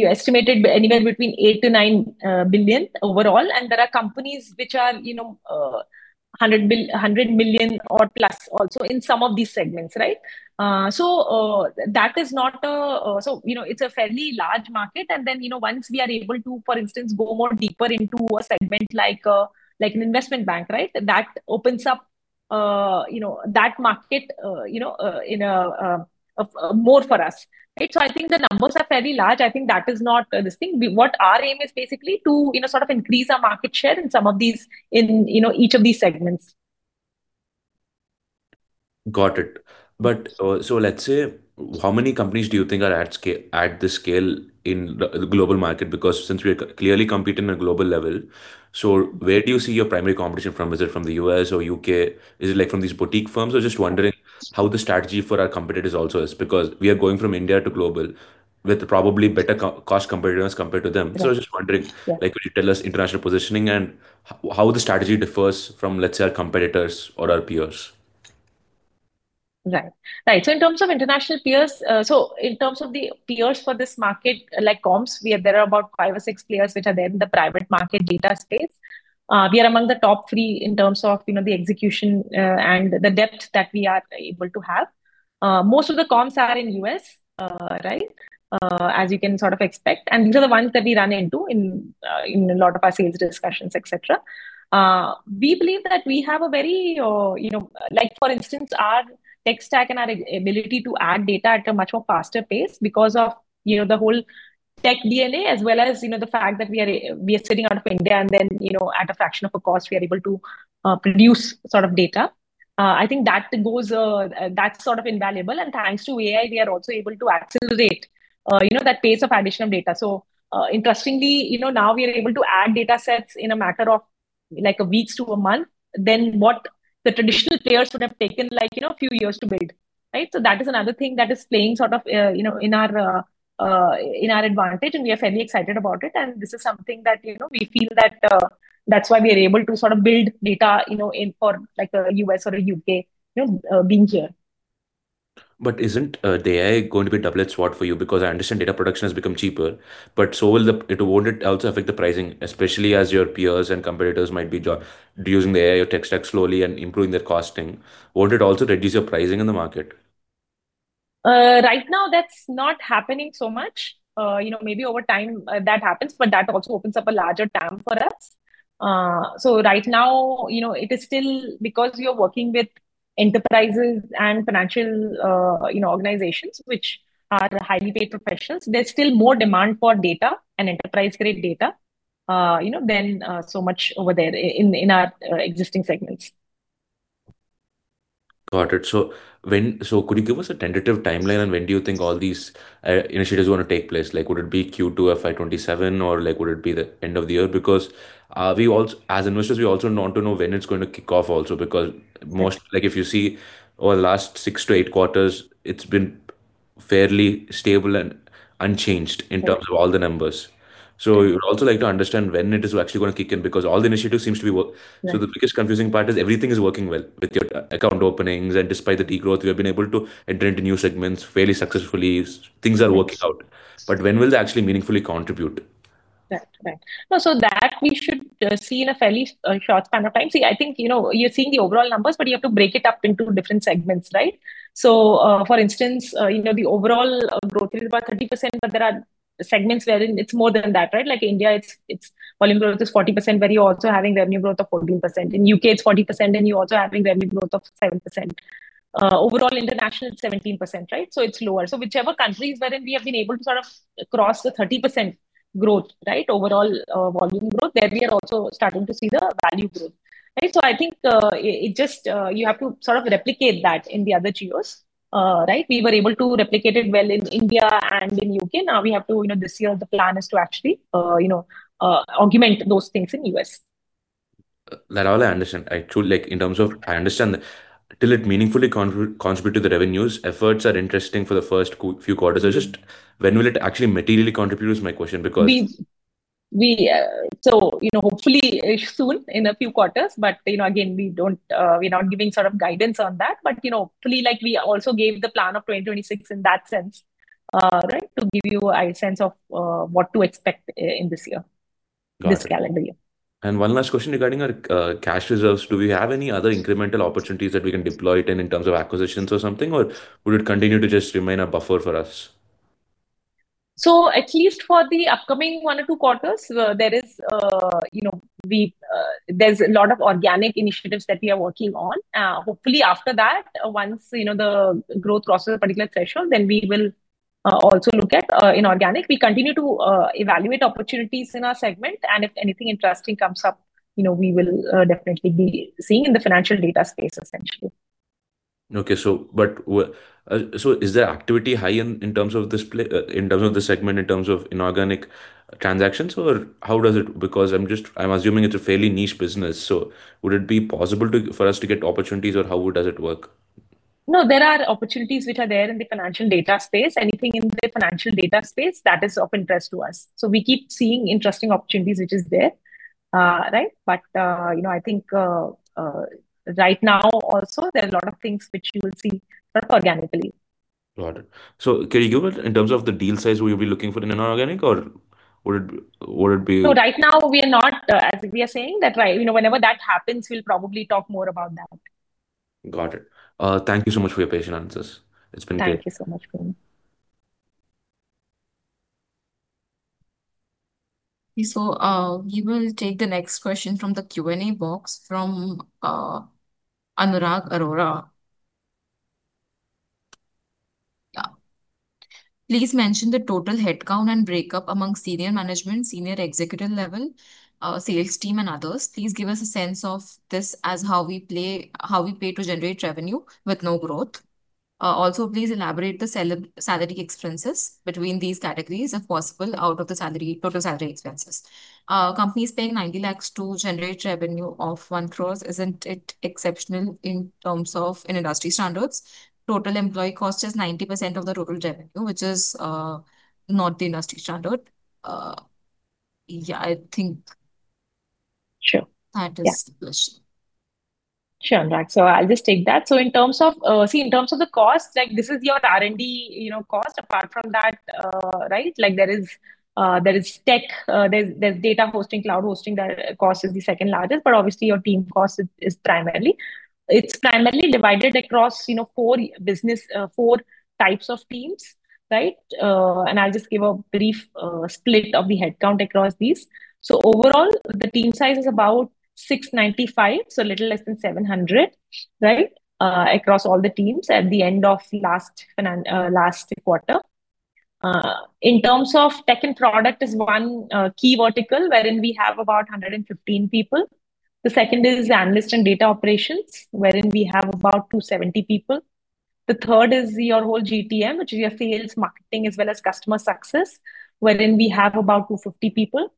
you estimated anywhere between 8 billion-9 billion overall, and there are companies which are, you know, $100 million or plus also in some of these segments, right? So, that is not a... So, you know, it's a fairly large market, and then, you know, once we are able to, for instance, go more deeper into a segment like, like an investment bank, right? That opens up, you know, that market, you know, in a more for us, right? So I think the numbers are fairly large. I think that is not, this thing. What our aim is basically to, you know, sort of increase our market share in some of these, in, you know, each of these segments.... Got it. But, so let's say, how many companies do you think are at scale, at this scale in the global market? Because since we are clearly competing at a global level, so where do you see your primary competition from? Is it from the U.S. or U.K.? Is it, like, from these boutique firms? I was just wondering how the strategy for our competitors also is, because we are going from India to global with probably better cost competitiveness compared to them. Right. I was just wondering— Yeah. like, could you tell us international positioning and how the strategy differs from, let's say, our competitors or our peers? Right. Right, so in terms of international peers, so in terms of the peers for this market, like comps, we are... There are about five or six players which are there in the private market data space. We are among the top three in terms of, you know, the execution, and the depth that we are able to have. Most of the comps are in U.S., right? As you can sort of expect, and these are the ones that we run into in, in a lot of our sales discussions, et cetera. We believe that we have a very, you know... Like, for instance, our tech stack and our ability to add data at a much more faster pace because of, you know, the whole tech DNA, as well as, you know, the fact that we are, we are sitting out of India, and then, you know, at a fraction of a cost, we are able to, produce sort of data. I think that goes, that's sort of invaluable, and thanks to AI, we are also able to accelerate, you know, that pace of addition of data. So, interestingly, you know, now we are able to add datasets in a matter of, like, a weeks to a month than what the traditional players would have taken, like, you know, a few years to build, right? So that is another thing that is playing sort of, you know, in our advantage, and we are fairly excited about it. This is something that, you know, we feel that that's why we are able to sort of build data, you know, in for, like, a US or a UK, you know, being here. But isn't the AI going to be a double-edged sword for you? Because I understand data production has become cheaper, but so will the pricing, won't it also affect the pricing, especially as your peers and competitors might be using the AI or tech stack slowly and improving their costing, won't it also reduce your pricing in the market? Right now, that's not happening so much. You know, maybe over time, that happens, but that also opens up a larger TAM for us. So right now, you know, it is still because we are working with enterprises and financial, you know, organizations which are highly paid professionals, there's still more demand for data and enterprise-grade data, you know, than so much over there in our existing segments. Got it. So could you give us a tentative timeline on when do you think all these initiatives are gonna take place? Like, would it be Q2 of FY 2027, or, like, would it be the end of the year? Because, we as investors, we also want to know when it's going to kick off also, because most... Like, if you see over the last 6-8 quarters, it's been fairly stable and unchanged- Right... in terms of all the numbers. So we'd also like to understand when it is actually gonna kick in, because all the initiatives seems to be work- Right. So the biggest confusing part is everything is working well with your account openings, and despite the degrowth, we have been able to enter into new segments fairly successfully. Right. Things are working out. But when will they actually meaningfully contribute? Right. Right. No, so that we should see in a fairly short span of time. See, I think, you know, you're seeing the overall numbers, but you have to break it up into different segments, right? So, for instance, you know, the overall growth is about 30%, but there are segments wherein it's more than that, right? Like India, it's volume growth is 40%, where you're also having revenue growth of 14%. In UK, it's 40%, and you're also having revenue growth of 7%. Overall, international, 17%, right? So it's lower. So whichever countries wherein we have been able to sort of cross the 30% growth, right, overall volume growth, there we are also starting to see the value growth. Right? So I think, you have to sort of replicate that in the other geos, right? We were able to replicate it well in India and in UK. Now we have to, you know, this year the plan is to actually, you know, augment those things in US. That's all I understand. I truly, like, in terms of... I understand that till it meaningfully contribute to the revenues, efforts are interesting for the first few quarters. So just when will it actually materially contribute is my question, because- So, you know, hopefully, soon, in a few quarters. But, you know, again, we don't, we're not giving sort of guidance on that. But, you know, hopefully, like, we also gave the plan of 2026 in that sense, right? To give you a sense of what to expect in this year- Got it... this calendar year. One last question regarding our cash reserves. Do we have any other incremental opportunities that we can deploy it in, in terms of acquisitions or something, or will it continue to just remain a buffer for us? So at least for the upcoming one or two quarters, there is, you know, we, there's a lot of organic initiatives that we are working on. Hopefully after that, once, you know, the growth crosses a particular threshold, then we will also look at inorganic. We continue to evaluate opportunities in our segment, and if anything interesting comes up, you know, we will definitely be seeing in the financial data space, essentially. Okay, so is the activity high in terms of this, in terms of the segment, in terms of inorganic transactions, or how does it? Because I'm assuming it's a fairly niche business, so would it be possible for us to get opportunities, or how does it work? No, there are opportunities which are there in the financial data space. Anything in the financial data space, that is of interest to us. So we keep seeing interesting opportunities, which is there, right? But, you know, I think, right now also, there are a lot of things which you will see sort of organically. Got it. So can you give us, in terms of the deal size we'll be looking for in inorganic, or would it, would it be- Right now we are not, as we are saying, that, right, you know, whenever that happens, we'll probably talk more about that. Got it. Thank you so much for your patient answers. It's been great. Thank you so much, Prem. We will take the next question from the Q&A box from Anurag Arora. Please mention the total headcount and breakup among senior management, senior executive level, sales team, and others. Please give us a sense of this as how we pay to generate revenue with no growth. Also, please elaborate the salary expenses between these categories, if possible, out of the total salary expenses. Companies paying 90 lakh to generate revenue of 1 crore, isn't it exceptional in terms of... in industry standards? Total employee cost is 90% of the total revenue, which is not the industry standard. Yeah, I think- Sure. That is the question. Sure, right. So I'll just take that. So in terms of the costs, like this is your R&D, you know, cost. Apart from that, right, like there is tech, there's data hosting, cloud hosting, that cost is the second largest, but obviously your team cost is primarily. It's primarily divided across, you know, four business, four types of teams, right? And I'll just give a brief split of the headcount across these. So overall, the team size is about 695, so a little less than 700, right, across all the teams at the end of last quarter. In terms of tech and product is one key vertical wherein we have about 115 people. The second is analyst and data operations, wherein we have about 270 people. The third is your whole GTM, which is your sales, marketing, as well as customer success, wherein we have about 250 people,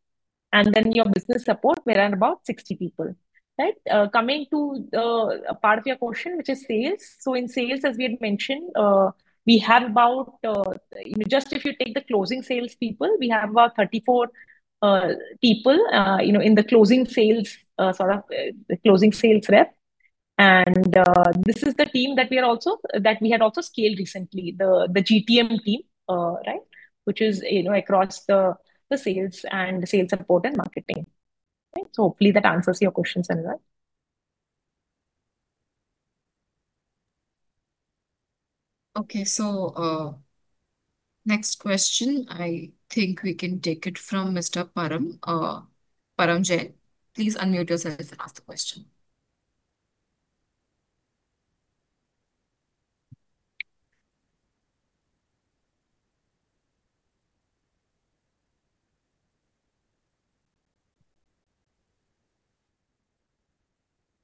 and then your business support, we're at about 60 people, right? Coming to a part of your question, which is sales. So in sales, as we had mentioned, we have about, you know, just if you take the closing sales people, we have about 34 people, you know, in the closing sales, sort of, the closing sales rep. And this is the team that we had also scaled recently, the GTM team, right, which is, you know, across the sales and the sales support and marketing. Right. So hopefully that answers your question, Sanga. Okay, next question. I think we can take it from Mr. Param, Param Jain. Please unmute yourself and ask the question.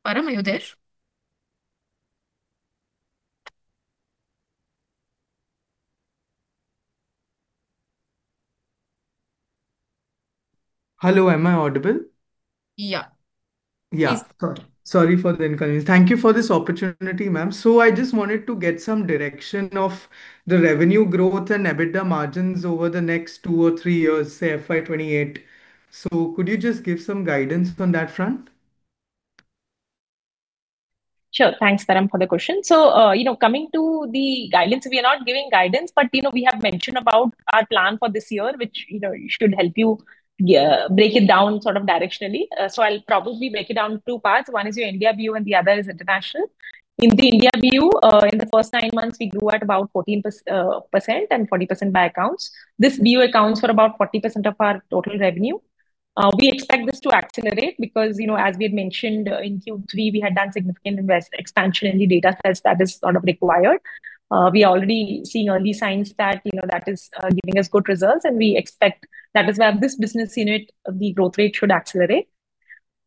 Param, are you there? Hello, am I audible? Yeah. Yeah. Yes. Sorry, sorry for the inconvenience. Thank you for this opportunity, ma'am. So I just wanted to get some direction of the revenue growth and EBITDA margins over the next two or three years, say, FY 2028. So could you just give some guidance on that front? Sure. Thanks, Param, for the question. So, you know, coming to the guidance, we are not giving guidance, but, you know, we have mentioned about our plan for this year, which, you know, should help you, yeah, break it down sort of directionally. So I'll probably break it down 2 parts. One is your India BU, and the other is international. In the India BU, in the first 9 months, we grew at about 14% and 40% by accounts. This BU accounts for about 40% of our total revenue. We expect this to accelerate because, you know, as we had mentioned, in Q3, we had done significant investment expansion in the data sets that is sort of required. We are already seeing early signs that, you know, that is giving us good results, and we expect that is where this business unit, the growth rate should accelerate.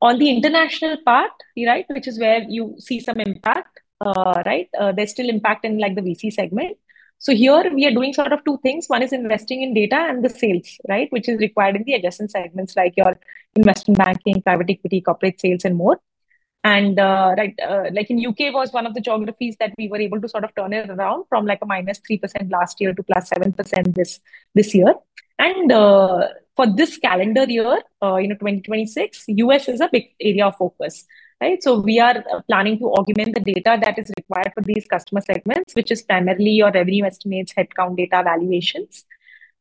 On the international part, right, which is where you see some impact, right, there's still impact in, like, the VC segment. So here we are doing sort of two things. One is investing in data and the sales, right? Which is required in the adjacent segments, like your investment banking, private equity, corporate sales, and more. And, right, like in U.K., was one of the geographies that we were able to sort of turn it around from, like, a -3% last year to +7% this year. And, for this calendar year, you know, 2026, U.S. is a big area of focus, right? So we are planning to augment the data that is required for these customer segments, which is primarily your revenue estimates, headcount, data, valuations.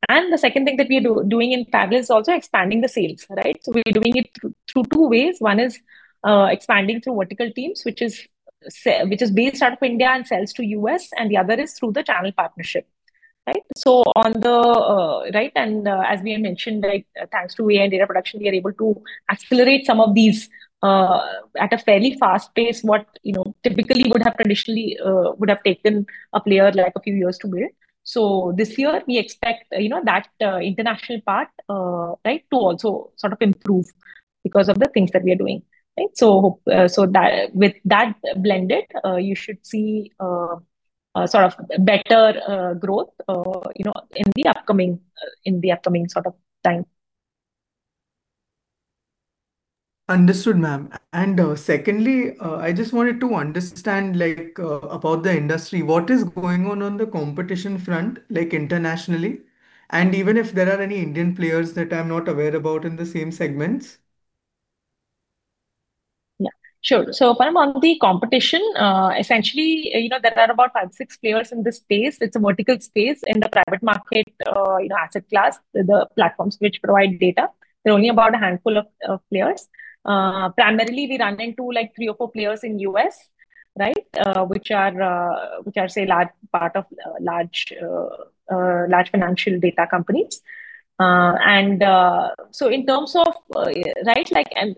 And the second thing that we're doing in parallel is also expanding the sales, right? So we're doing it through two ways. One is expanding through vertical teams, which is based out of India and sells to US, and the other is through the channel partnership, right? And as we had mentioned, like, thanks to AI and data production, we are able to accelerate some of these at a fairly fast pace, what you know typically would have traditionally would have taken a player, like, a few years to build. So this year, we expect, you know, that, international part, right, to also sort of improve because of the things that we are doing, right? So, so that, with that blended, you should see, sort of better, growth, you know, in the upcoming, in the upcoming sort of time. Understood, ma'am. And, secondly, I just wanted to understand, like, about the industry. What is going on on the competition front, like internationally, and even if there are any Indian players that I'm not aware about in the same segments? Yeah, sure. So Param, on the competition, essentially, you know, there are about 5 players-6 players in this space. It's a vertical space in the private market, you know, asset class, the platforms which provide data. There are only about a handful of players. Primarily, we run into, like, 3 players or 4 players in U.S., right? Which are, say, large, part of large financial data companies... and so in terms of, right, like, and,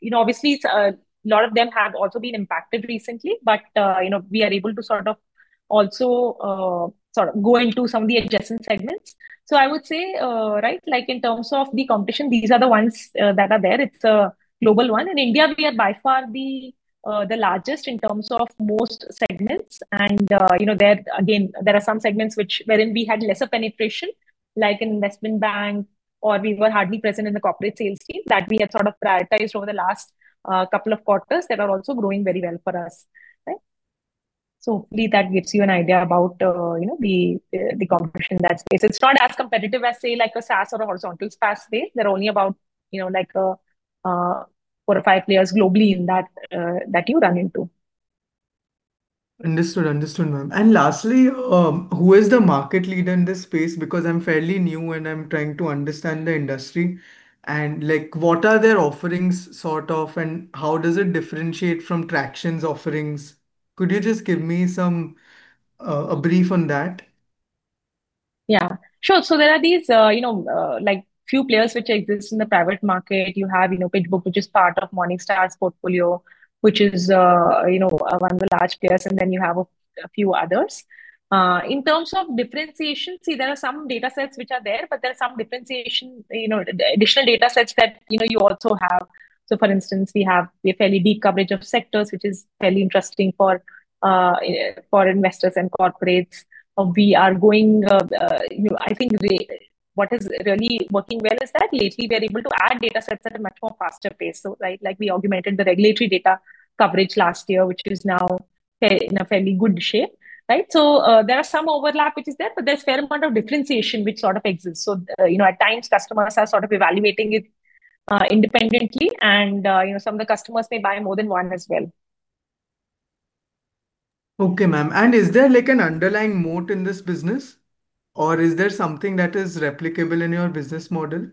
you know, obviously, a lot of them have also been impacted recently, but, you know, we are able to sort of also sort of go into some of the adjacent segments. So I would say, right, like in terms of the competition, these are the ones that are there. It's a global one. In India, we are by far the largest in terms of most segments. And, you know, there, again, there are some segments which wherein we had lesser penetration, like in investment bank, or we were hardly present in the corporate sales team, that we had sort of prioritized over the last, couple of quarters that are also growing very well for us, right? So hopefully that gives you an idea about, you know, the, the competition in that space. It's not as competitive as, say, like a SaaS or a horizontal SaaS space. There are only about, you know, like, four or five players globally in that, that you run into. Understood. Understood, ma'am. And lastly, who is the market leader in this space? Because I'm fairly new, and I'm trying to understand the industry. And, like, what are their offerings, sort of, and how does it differentiate from Tracxn's offerings? Could you just give me some a brief on that? Yeah, sure. So there are these, you know, like, few players which exist in the private market. You have, you know, PitchBook, which is part of Morningstar's portfolio, which is, you know, one of the large players, and then you have a few others. In terms of differentiation, see, there are some data sets which are there, but there are some differentiation, you know, additional data sets that, you know, you also have. So for instance, we have a fairly deep coverage of sectors, which is fairly interesting for, for investors and corporates, or we are going. You know, I think what is really working well is that lately we are able to add data sets at a much more faster pace. So, like, we augmented the regulatory data coverage last year, which is now in fairly good shape, right? So, there are some overlap which is there, but there's fair amount of differentiation which sort of exists. So, you know, at times, customers are sort of evaluating it independently, and you know, some of the customers may buy more than one as well. Okay, ma'am. Is there, like, an underlying moat in this business, or is there something that is replicable in your business model?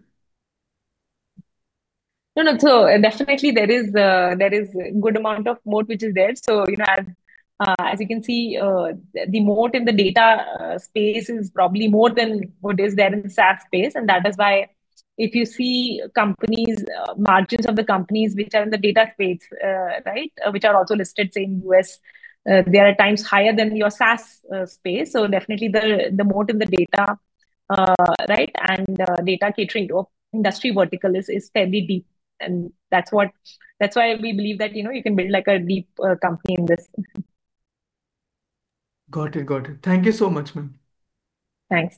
No, no. So definitely there is a good amount of moat which is there. So, you know, as you can see, the moat in the data space is probably more than what is there in the SaaS space, and that is why if you see companies, margins of the companies which are in the data space, right, which are also listed, say, in U.S., they are at times higher than your SaaS space. So definitely the moat in the data, right, and data catering to industry vertical is fairly deep, and that's what. That's why we believe that, you know, you can build, like, a deep company in this. Got it. Got it. Thank you so much, ma'am. Thanks.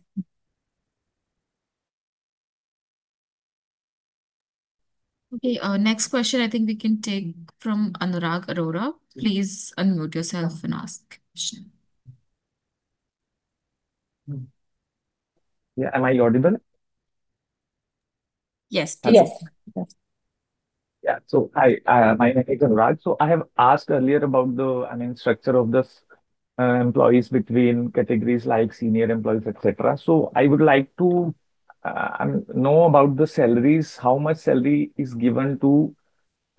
Okay, next question I think we can take from Anurag Arora. Please unmute yourself and ask question. Yeah. Am I audible? Yes, perfectly. Yes. Yeah. So hi, my name is Anurag. So I have asked earlier about the, I mean, structure of this, employees between categories, like senior employees, et cetera. So I would like to know about the salaries, how much salary is given to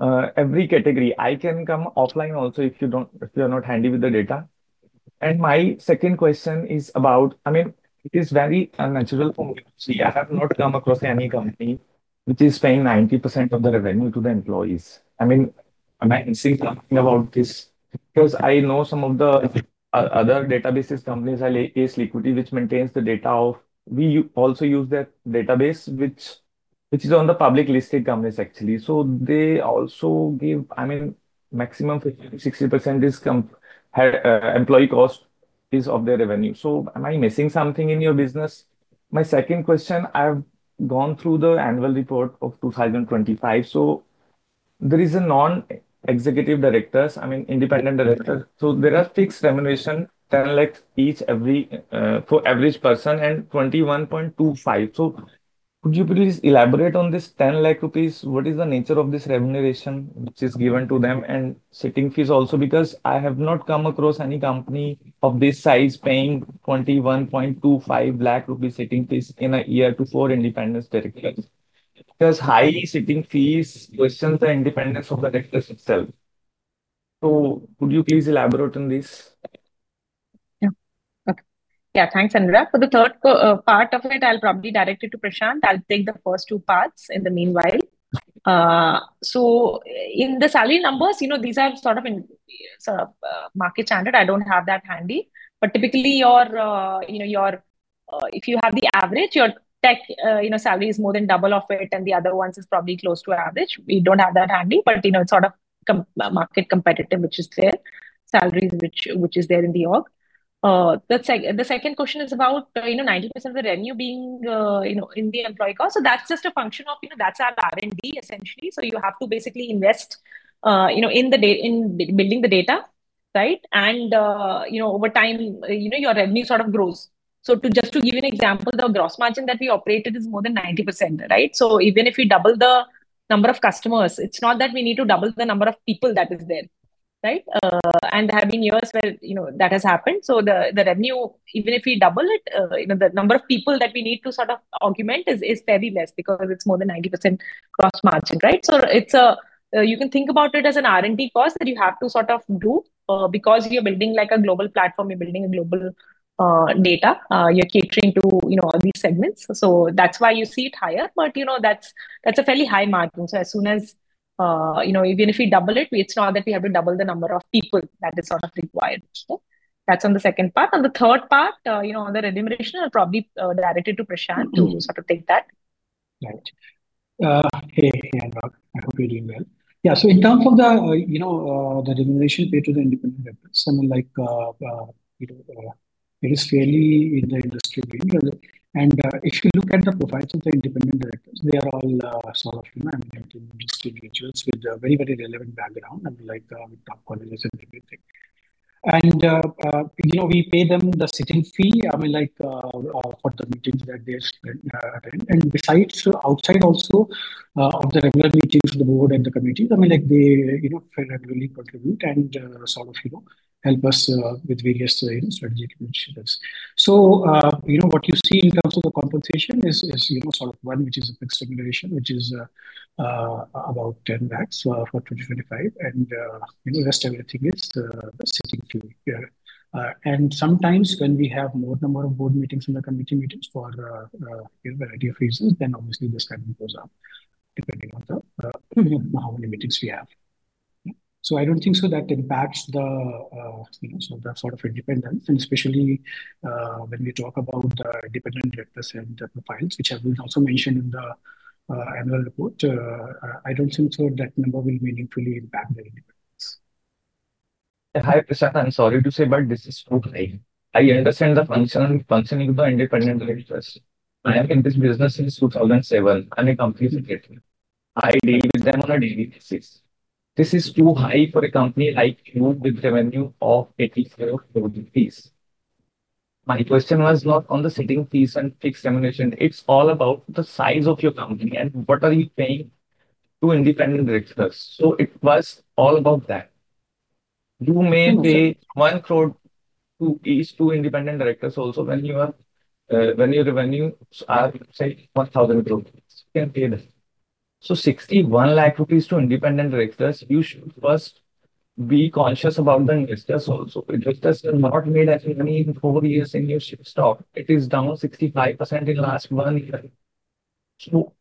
every category? I can come offline also, if you don't, if you are not handy with the data. And my second question is about, I mean, it is very unnatural for me to see. I have not come across any company which is paying 90% of the revenue to the employees. I mean, am I missing something about this? Because I know some of the other databases companies, like Ace Equity, which maintains the data of... We also use that database, which is on the public listed companies, actually. So they also give, I mean, maximum 50%-60% is comp, employee cost is of their revenue. So am I missing something in your business? My second question, I've gone through the annual report of 2025, so there is a non-executive directors, I mean, independent directors, so there are fixed remuneration, 10 lakh each, every, for average person, and 21.25 lakh. So could you please elaborate on this 10 lakh rupees? What is the nature of this remuneration which is given to them, and sitting fees also? Because I have not come across any company of this size paying 21.25 lakh rupees sitting fees in a year to four independent directors. Because high sitting fees questions the independence of the directors itself. So would you please elaborate on this? Yeah. Okay. Yeah, thanks, Anurag. For the third part of it, I'll probably direct it to Prashant. I'll take the first two parts in the meanwhile. So in the salary numbers, you know, these are sort of in, sort of, market standard. I don't have that handy. But typically, your, you know, your, if you have the average, your tech, you know, salary is more than double of it, and the other ones is probably close to average. We don't have that handy, but, you know, it's sort of comparable market competitive, which is there, salaries which, which is there in the org. The second question is about, you know, 90% of the revenue being, you know, in the employee cost. So that's just a function of, you know, that's our R&D, essentially. So you have to basically invest, you know, in building the data, right? And, you know, over time, you know, your revenue sort of grows. So, just to give you an example, the gross margin that we operated is more than 90%, right? So even if you double the number of customers, it's not that we need to double the number of people that is there, right? And there have been years where, you know, that has happened. So the revenue, even if we double it, you know, the number of people that we need to sort of augment is fairly less, because it's more than 90% gross margin, right? So it's... You can think about it as an R&D cost that you have to sort of do, because you're building, like, a global platform, you're building a global, data. You're catering to, you know, all these segments, so that's why you see it higher. But, you know, that's a fairly high margin. So as soon as, you know, even if we double it, it's not that we have to double the number of people that is sort of required. So that's on the second part. On the third part, you know, on the remuneration, I'll probably direct it to Prashant to sort of take that. Right. Hey, Anurag, I hope you're doing well. Yeah, so in terms of the, you know, the remuneration paid to the independent directors, something like, you know, it is fairly in the industry range. If you look at the profiles of the independent directors, they are all, sort of, you know, individuals with a very, very relevant background, I mean, like, with top colleges and everything. You know, we pay them the sitting fee, I mean, like, for the meetings that they attend. Besides, outside also, of the regular meetings, the board and the committees, I mean, like they, you know, regularly contribute and, sort of, you know, help us, with various, strategic initiatives. So, you know, what you see in terms of the compensation is, you know, sort of one, which is a fixed remuneration, which is about 10 lakh for 2025, and you know, rest everything is sitting fee. And sometimes when we have more number of board meetings and the committee meetings for a variety of reasons, then obviously this kind of goes up, depending on the how many meetings we have. So I don't think so that impacts the, you know, so the sort of independence and especially when we talk about the independent directors and the profiles, which have been also mentioned in the annual report, I don't think so that number will meaningfully impact the independence. Hi, Prashant. I'm sorry to say, but this is too high. I understand the functioning of the independent directors. I am in this business since 2007, and the companies are getting. I deal with them on a daily basis. This is too high for a company like you, with revenue of 84 crore rupees. My question was not on the sitting fees and fixed remuneration. It's all about the size of your company and what are you paying to independent directors. So it was all about that. You may pay 1 crore to each, to independent directors also when you are, when your revenue are, say, 1,000 crore, you can pay this. So 61 lakh rupees to independent directors, you should first be conscious about the investors also. Investors have not made any money in four years in your stock. It is down 65% in the last 1 year. So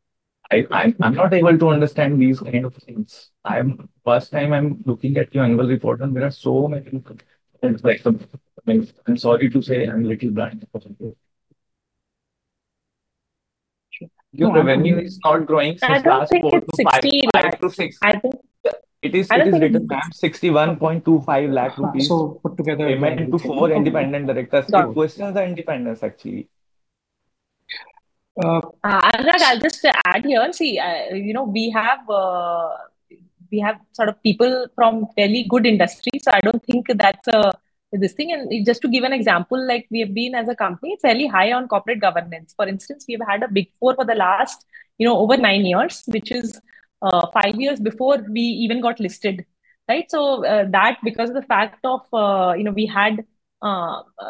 I'm not able to understand these kind of things. I'm. First time I'm looking at your annual report, and there are so many, like, I'm sorry to say, I'm a little blind. Your revenue is not growing from last 4 to 5- I don't think it's 60-... 5-6. I think- It is written that 61.25 lakh rupees- So put together- Into four independent directors. That questions their independence, actually. Uh- Anurag, I'll just add here. See, you know, we have, we have sort of people from fairly good industry, so I don't think that's this thing. And just to give an example, like, we have been, as a company, fairly high on corporate governance. For instance, we've had a Big Four for the last, you know, over nine years, which is five years before we even got listed, right? So, that because of the fact of, you know, we had,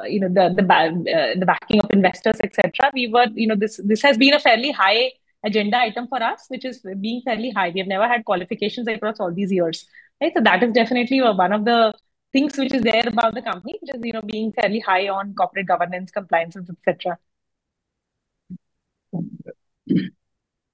you know, the backing of investors, et cetera, we were. You know, this, this has been a fairly high agenda item for us, which is being fairly high. We have never had qualifications across all these years, right? That is definitely one of the things which is there about the company, which is, you know, being fairly high on corporate governance, compliance, et cetera.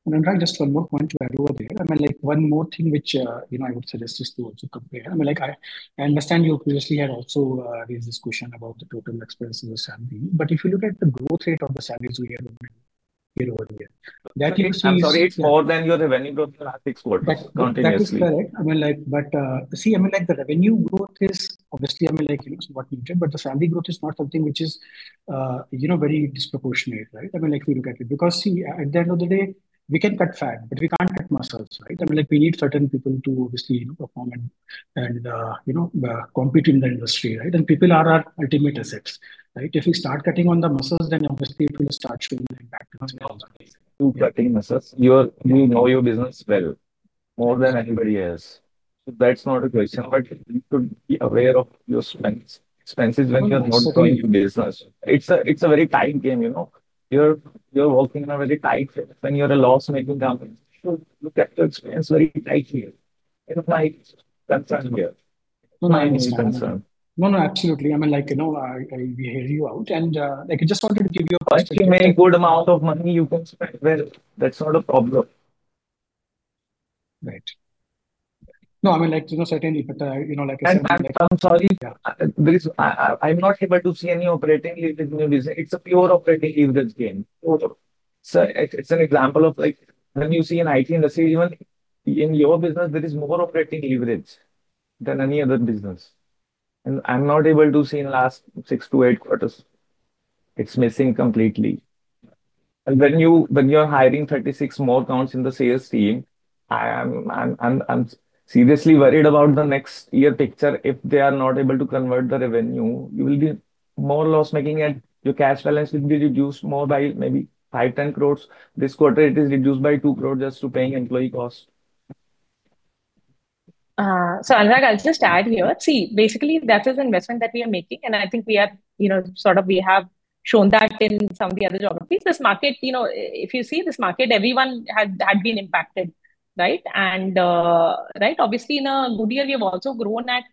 And I'll just one more point to add over there, and then, like, one more thing which, you know, I would suggest is to also compare. I mean, like, I, I understand you previously had also, raised this question about the total expense in the salary. But if you look at the growth rate of the salaries year over year, year over year, that makes me- I'm sorry, it's more than your revenue growth in the last 6 quarters, continuously. That is correct. I mean, like, but, see, I mean, like, the revenue growth is obviously, I mean, like, you know, it's what we did, but the salary growth is not something which is, you know, very disproportionate, right? I mean, like, we look at it. Because, see, at the end of the day, we can cut fat, but we can't cut muscles, right? I mean, like, we need certain people to obviously perform and, and, you know, compete in the industry, right? And people are our ultimate assets, right? If we start cutting on the muscles, then obviously it will start showing the impact also.... To cutting costs. You're. You know your business well, more than anybody else, so that's not a question. But you could be aware of your expense, expenses when you are not doing business. It's a, it's a very tight game, you know. You're, you're working in a very tight field, and you're a loss-making company. So you look at your expense very tightly. You know, my concern here. My concern. No, no, absolutely. I mean, like, you know, we hear you out and, like, I just wanted to give you a- You make a good amount of money you can spend well, that's not a problem. Right. No, I mean, like, you know, certainly, but, you know, like I said- I'm sorry, because I'm not able to see any operating leverage in your business. It's a pure operating leverage game. So it's an example of, like, when you see an IT industry, even in your business, there is more operating leverage than any other business. And I'm not able to see in last 6-8 quarters. It's missing completely. And when you're hiring 36 more counts in the sales team, I am seriously worried about the next year picture, if they are not able to convert the revenue, you will be more loss-making and your cash balance will be reduced more by maybe 5 crores-10 crores. This quarter, it is reduced by 2 crore just to paying employee costs. So Anurag, I'll just add here. See, basically, that is investment that we are making, and I think we have, you know, sort of we have shown that in some of the other geographies. This market, you know, if you see this market, everyone had been impacted, right? And, right, obviously, in a good year, we have also grown at,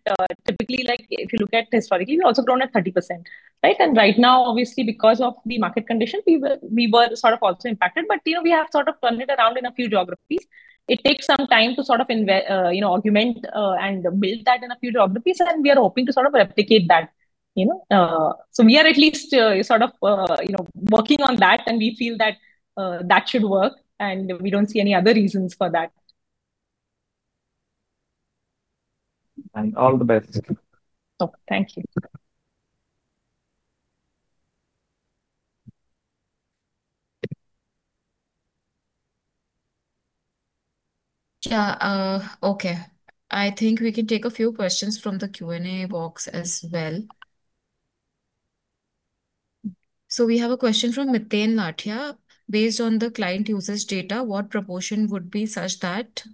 typically, like, if you look at historically, we've also grown at 30%, right? And right now, obviously, because of the market condition, we were sort of also impacted, but, you know, we have sort of turned it around in a few geographies. It takes some time to sort of, you know, augment and build that in a few geographies, and we are hoping to sort of replicate that, you know? So we are at least sort of, you know, working on that, and we feel that that should work, and we don't see any other reasons for that. All the best. Okay. Thank you. Yeah, okay. I think we can take a few questions from the Q&A box as well. So we have a question from Mitin Nathia: Based on the client usage data, what proportion would be such that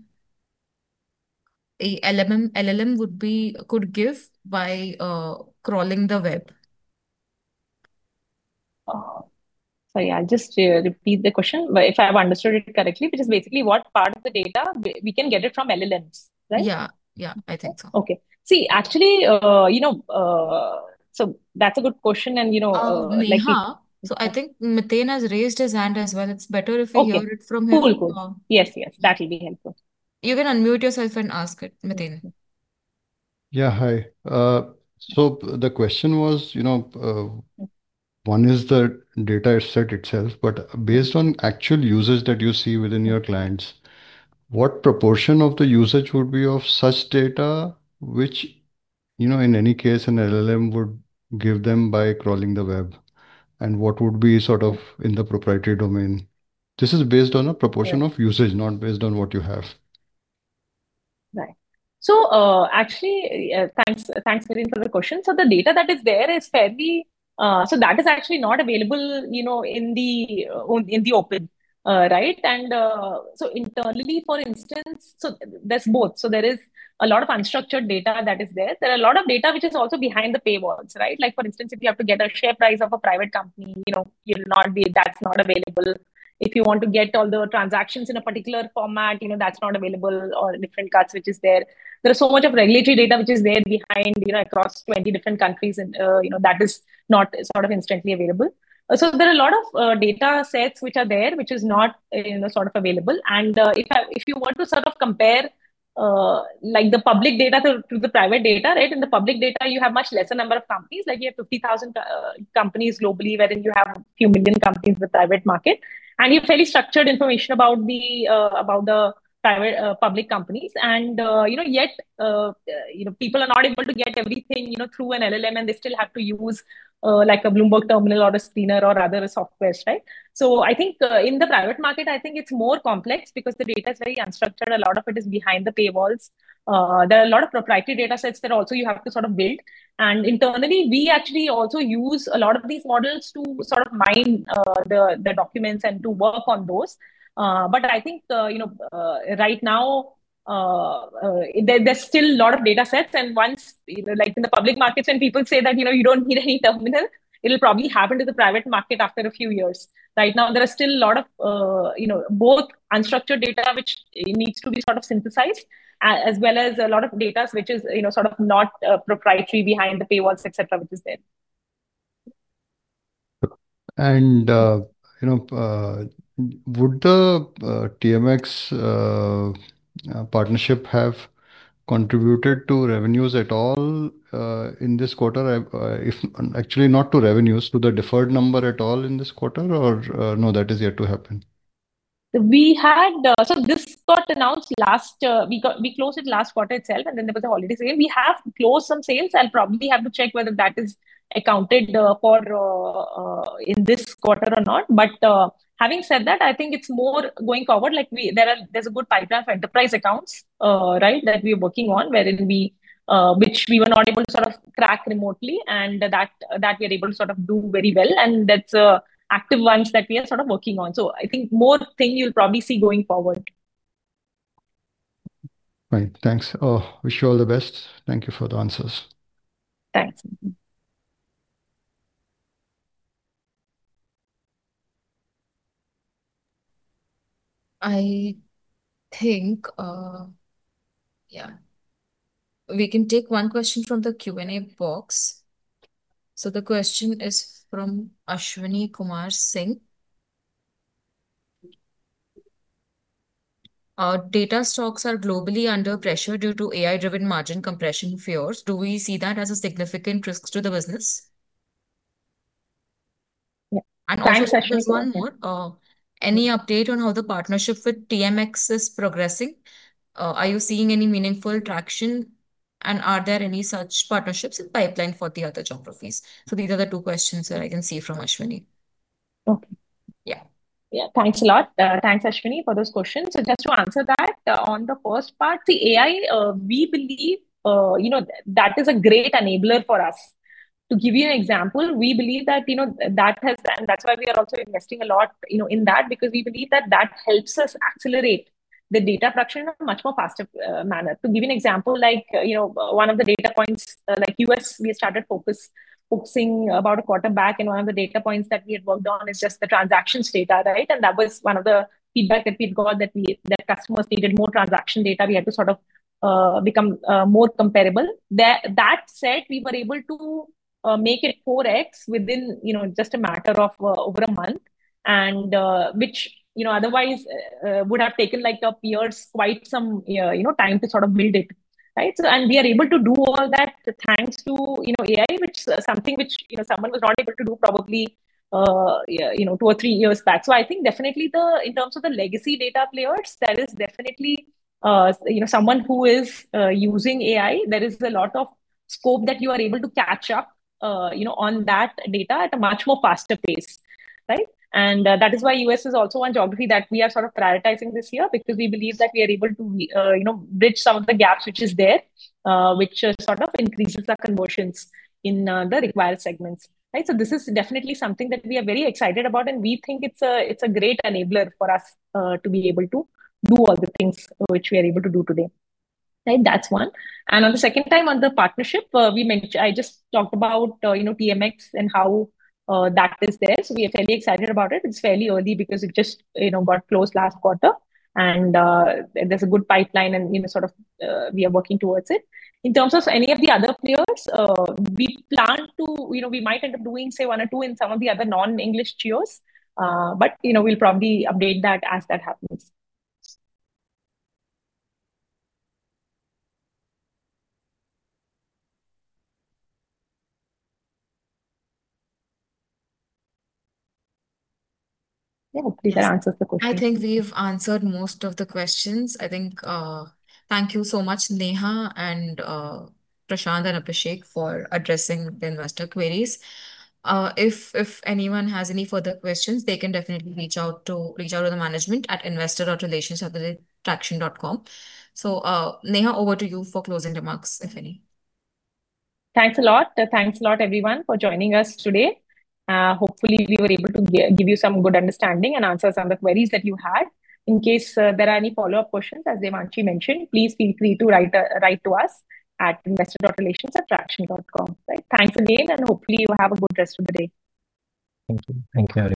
an LLM would be... could give by crawling the web? Sorry, I'll just repeat the question, but if I've understood it correctly, which is basically what part of the data we can get it from LLMs, right? Yeah. Yeah, I think so. Okay. See, actually, you know, like- Neha, so I think Mitin has raised his hand as well. It's better if we- Okay... hear it from him. Cool, cool. Yes, yes, that'll be helpful. You can unmute yourself and ask it, Mitin. Yeah, hi. So the question was, you know, one is the data set itself, but based on actual usage that you see within your clients, what proportion of the usage would be of such data which, you know, in any case, an LLM would give them by crawling the web? And what would be sort of in the proprietary domain? This is based on a proportion. Yeah... of usage, not based on what you have. Right. So, actually, thanks, thanks, Mitin, for the question. So the data that is there is fairly... So that is actually not available, you know, in the open, right? And, so internally, for instance, so there's both. So there is a lot of unstructured data that is there. There are a lot of data which is also behind the paywalls, right? Like, for instance, if you have to get a share price of a private company, you know, you'll not be... That's not available. If you want to get all the transactions in a particular format, you know, that's not available, or different cap tables which is there. There is so much of regulatory data which is there behind, you know, across 20 different countries, and, you know, that is not sort of instantly available. So there are a lot of data sets which are there, which is not, you know, sort of available. And if you want to sort of compare, like the public data to the private data, right? In the public data, you have much lesser number of companies. Like, you have 50,000 companies globally, wherein you have a few million companies in the private market. And you have fairly structured information about the public companies. And you know, yet, you know, people are not able to get everything, you know, through an LLM, and they still have to use, like a Bloomberg terminal or a screener or other softwares, right? So I think in the private market, I think it's more complex because the data is very unstructured. A lot of it is behind the paywalls. There are a lot of proprietary data sets that also you have to sort of build. And internally, we actually also use a lot of these models to sort of mine the documents and to work on those. But I think, you know, right now, there's still a lot of data sets, and once... You know, like in the public markets, when people say that, "You know, you don't need any terminal," it'll probably happen to the private market after a few years. Right now, there are still a lot of, you know, both unstructured data, which it needs to be sort of synthesized, as well as a lot of data, which is, you know, sort of not proprietary, behind the paywalls, et cetera, which is there. And, you know, would the TMX partnership have contributed to revenues at all in this quarter? I... Actually, not to revenues, to the deferred number at all in this quarter, or no, that is yet to happen? We had... So this got announced last, we got- we closed it last quarter itself, and then there was holidays again. We have closed some sales. I'll probably have to check whether that is accounted for in this quarter or not. But, having said that, I think it's more going forward, like we... There are- there's a good pipeline for enterprise accounts, right, that we're working on, wherein we, which we were not able to sort of crack remotely, and that, that we are able to sort of do very well, and that's a active launch that we are sort of working on. So I think more thing you'll probably see going forward. Right. Thanks. Wish you all the best. Thank you for the answers. Thanks. I think, Yeah, we can take one question from the Q&A box. So the question is from Ashwini Kumar Singh: "Our data stocks are globally under pressure due to AI-driven margin compression fears. Do we see that as a significant risk to the business? Yeah. Thanks, Ashwini- And also just one more, any update on how the partnership with TMX is progressing? Are you seeing any meaningful traction, and are there any such partnerships in pipeline for the other geographies?" So these are the two questions that I can see from Ashwini. Okay. Yeah. Yeah. Thanks a lot. Thanks, Ashwini, for those questions. So just to answer that, on the first part, the AI, we believe, you know, that is a great enabler for us. To give you an example, we believe that, you know, that has... And that's why we are also investing a lot, you know, in that, because we believe that that helps us accelerate the data production in a much more faster manner. To give you an example, like, you know, one of the data points, like US, we started focusing about a quarter back, and one of the data points that we had worked on is just the transactions data, right? And that was one of the feedback that we've got, that customers needed more transaction data. We had to sort of, become more comparable. That said, we were able to make it 4x within, you know, just a matter of over a month, and which, you know, otherwise would have taken like a year, quite some, you know, time to sort of build it, right? So and we are able to do all that thanks to, you know, AI, which is something which, you know, someone was not able to do probably, yeah, you know, two or three years back. So I think definitely, in terms of the legacy data players, there is definitely, you know, someone who is using AI, there is a lot of scope that you are able to catch up, you know, on that data at a much more faster pace, right? That is why U.S. is also one geography that we are sort of prioritizing this year, because we believe that we are able to, you know, bridge some of the gaps, which is there, which, sort of increases the conversions in, the required segments, right? So this is definitely something that we are very excited about, and we think it's a, it's a great enabler for us, to be able to do all the things which we are able to do today, right? That's one. On the second time, on the partnership, we mentioned... I just talked about, you know, TMX and how, that is there. So we are fairly excited about it. It's fairly early because it just, you know, got closed last quarter, and, there's a good pipeline and, you know, sort of, we are working towards it. In terms of any of the other players, we plan to, you know, we might end up doing, say, one or two in some of the other non-English geos. But, you know, we'll probably update that as that happens. Yeah, I hope that answers the question. I think we've answered most of the questions. I think, thank you so much, Neha and Prashant and Abhishek, for addressing the investor queries. If anyone has any further questions, they can definitely reach out to the management at investor.relations@tracxn.com. So, Neha, over to you for closing remarks, if any. Thanks a lot. Thanks a lot, everyone, for joining us today. Hopefully, we were able to give you some good understanding and answer some of the queries that you had. In case there are any follow-up questions, as Devanshi mentioned, please feel free to write to us at investor.relations@tracxn.com. Right. Thanks again, and hopefully you have a good rest of the day. Thank you. Thank you, everyone.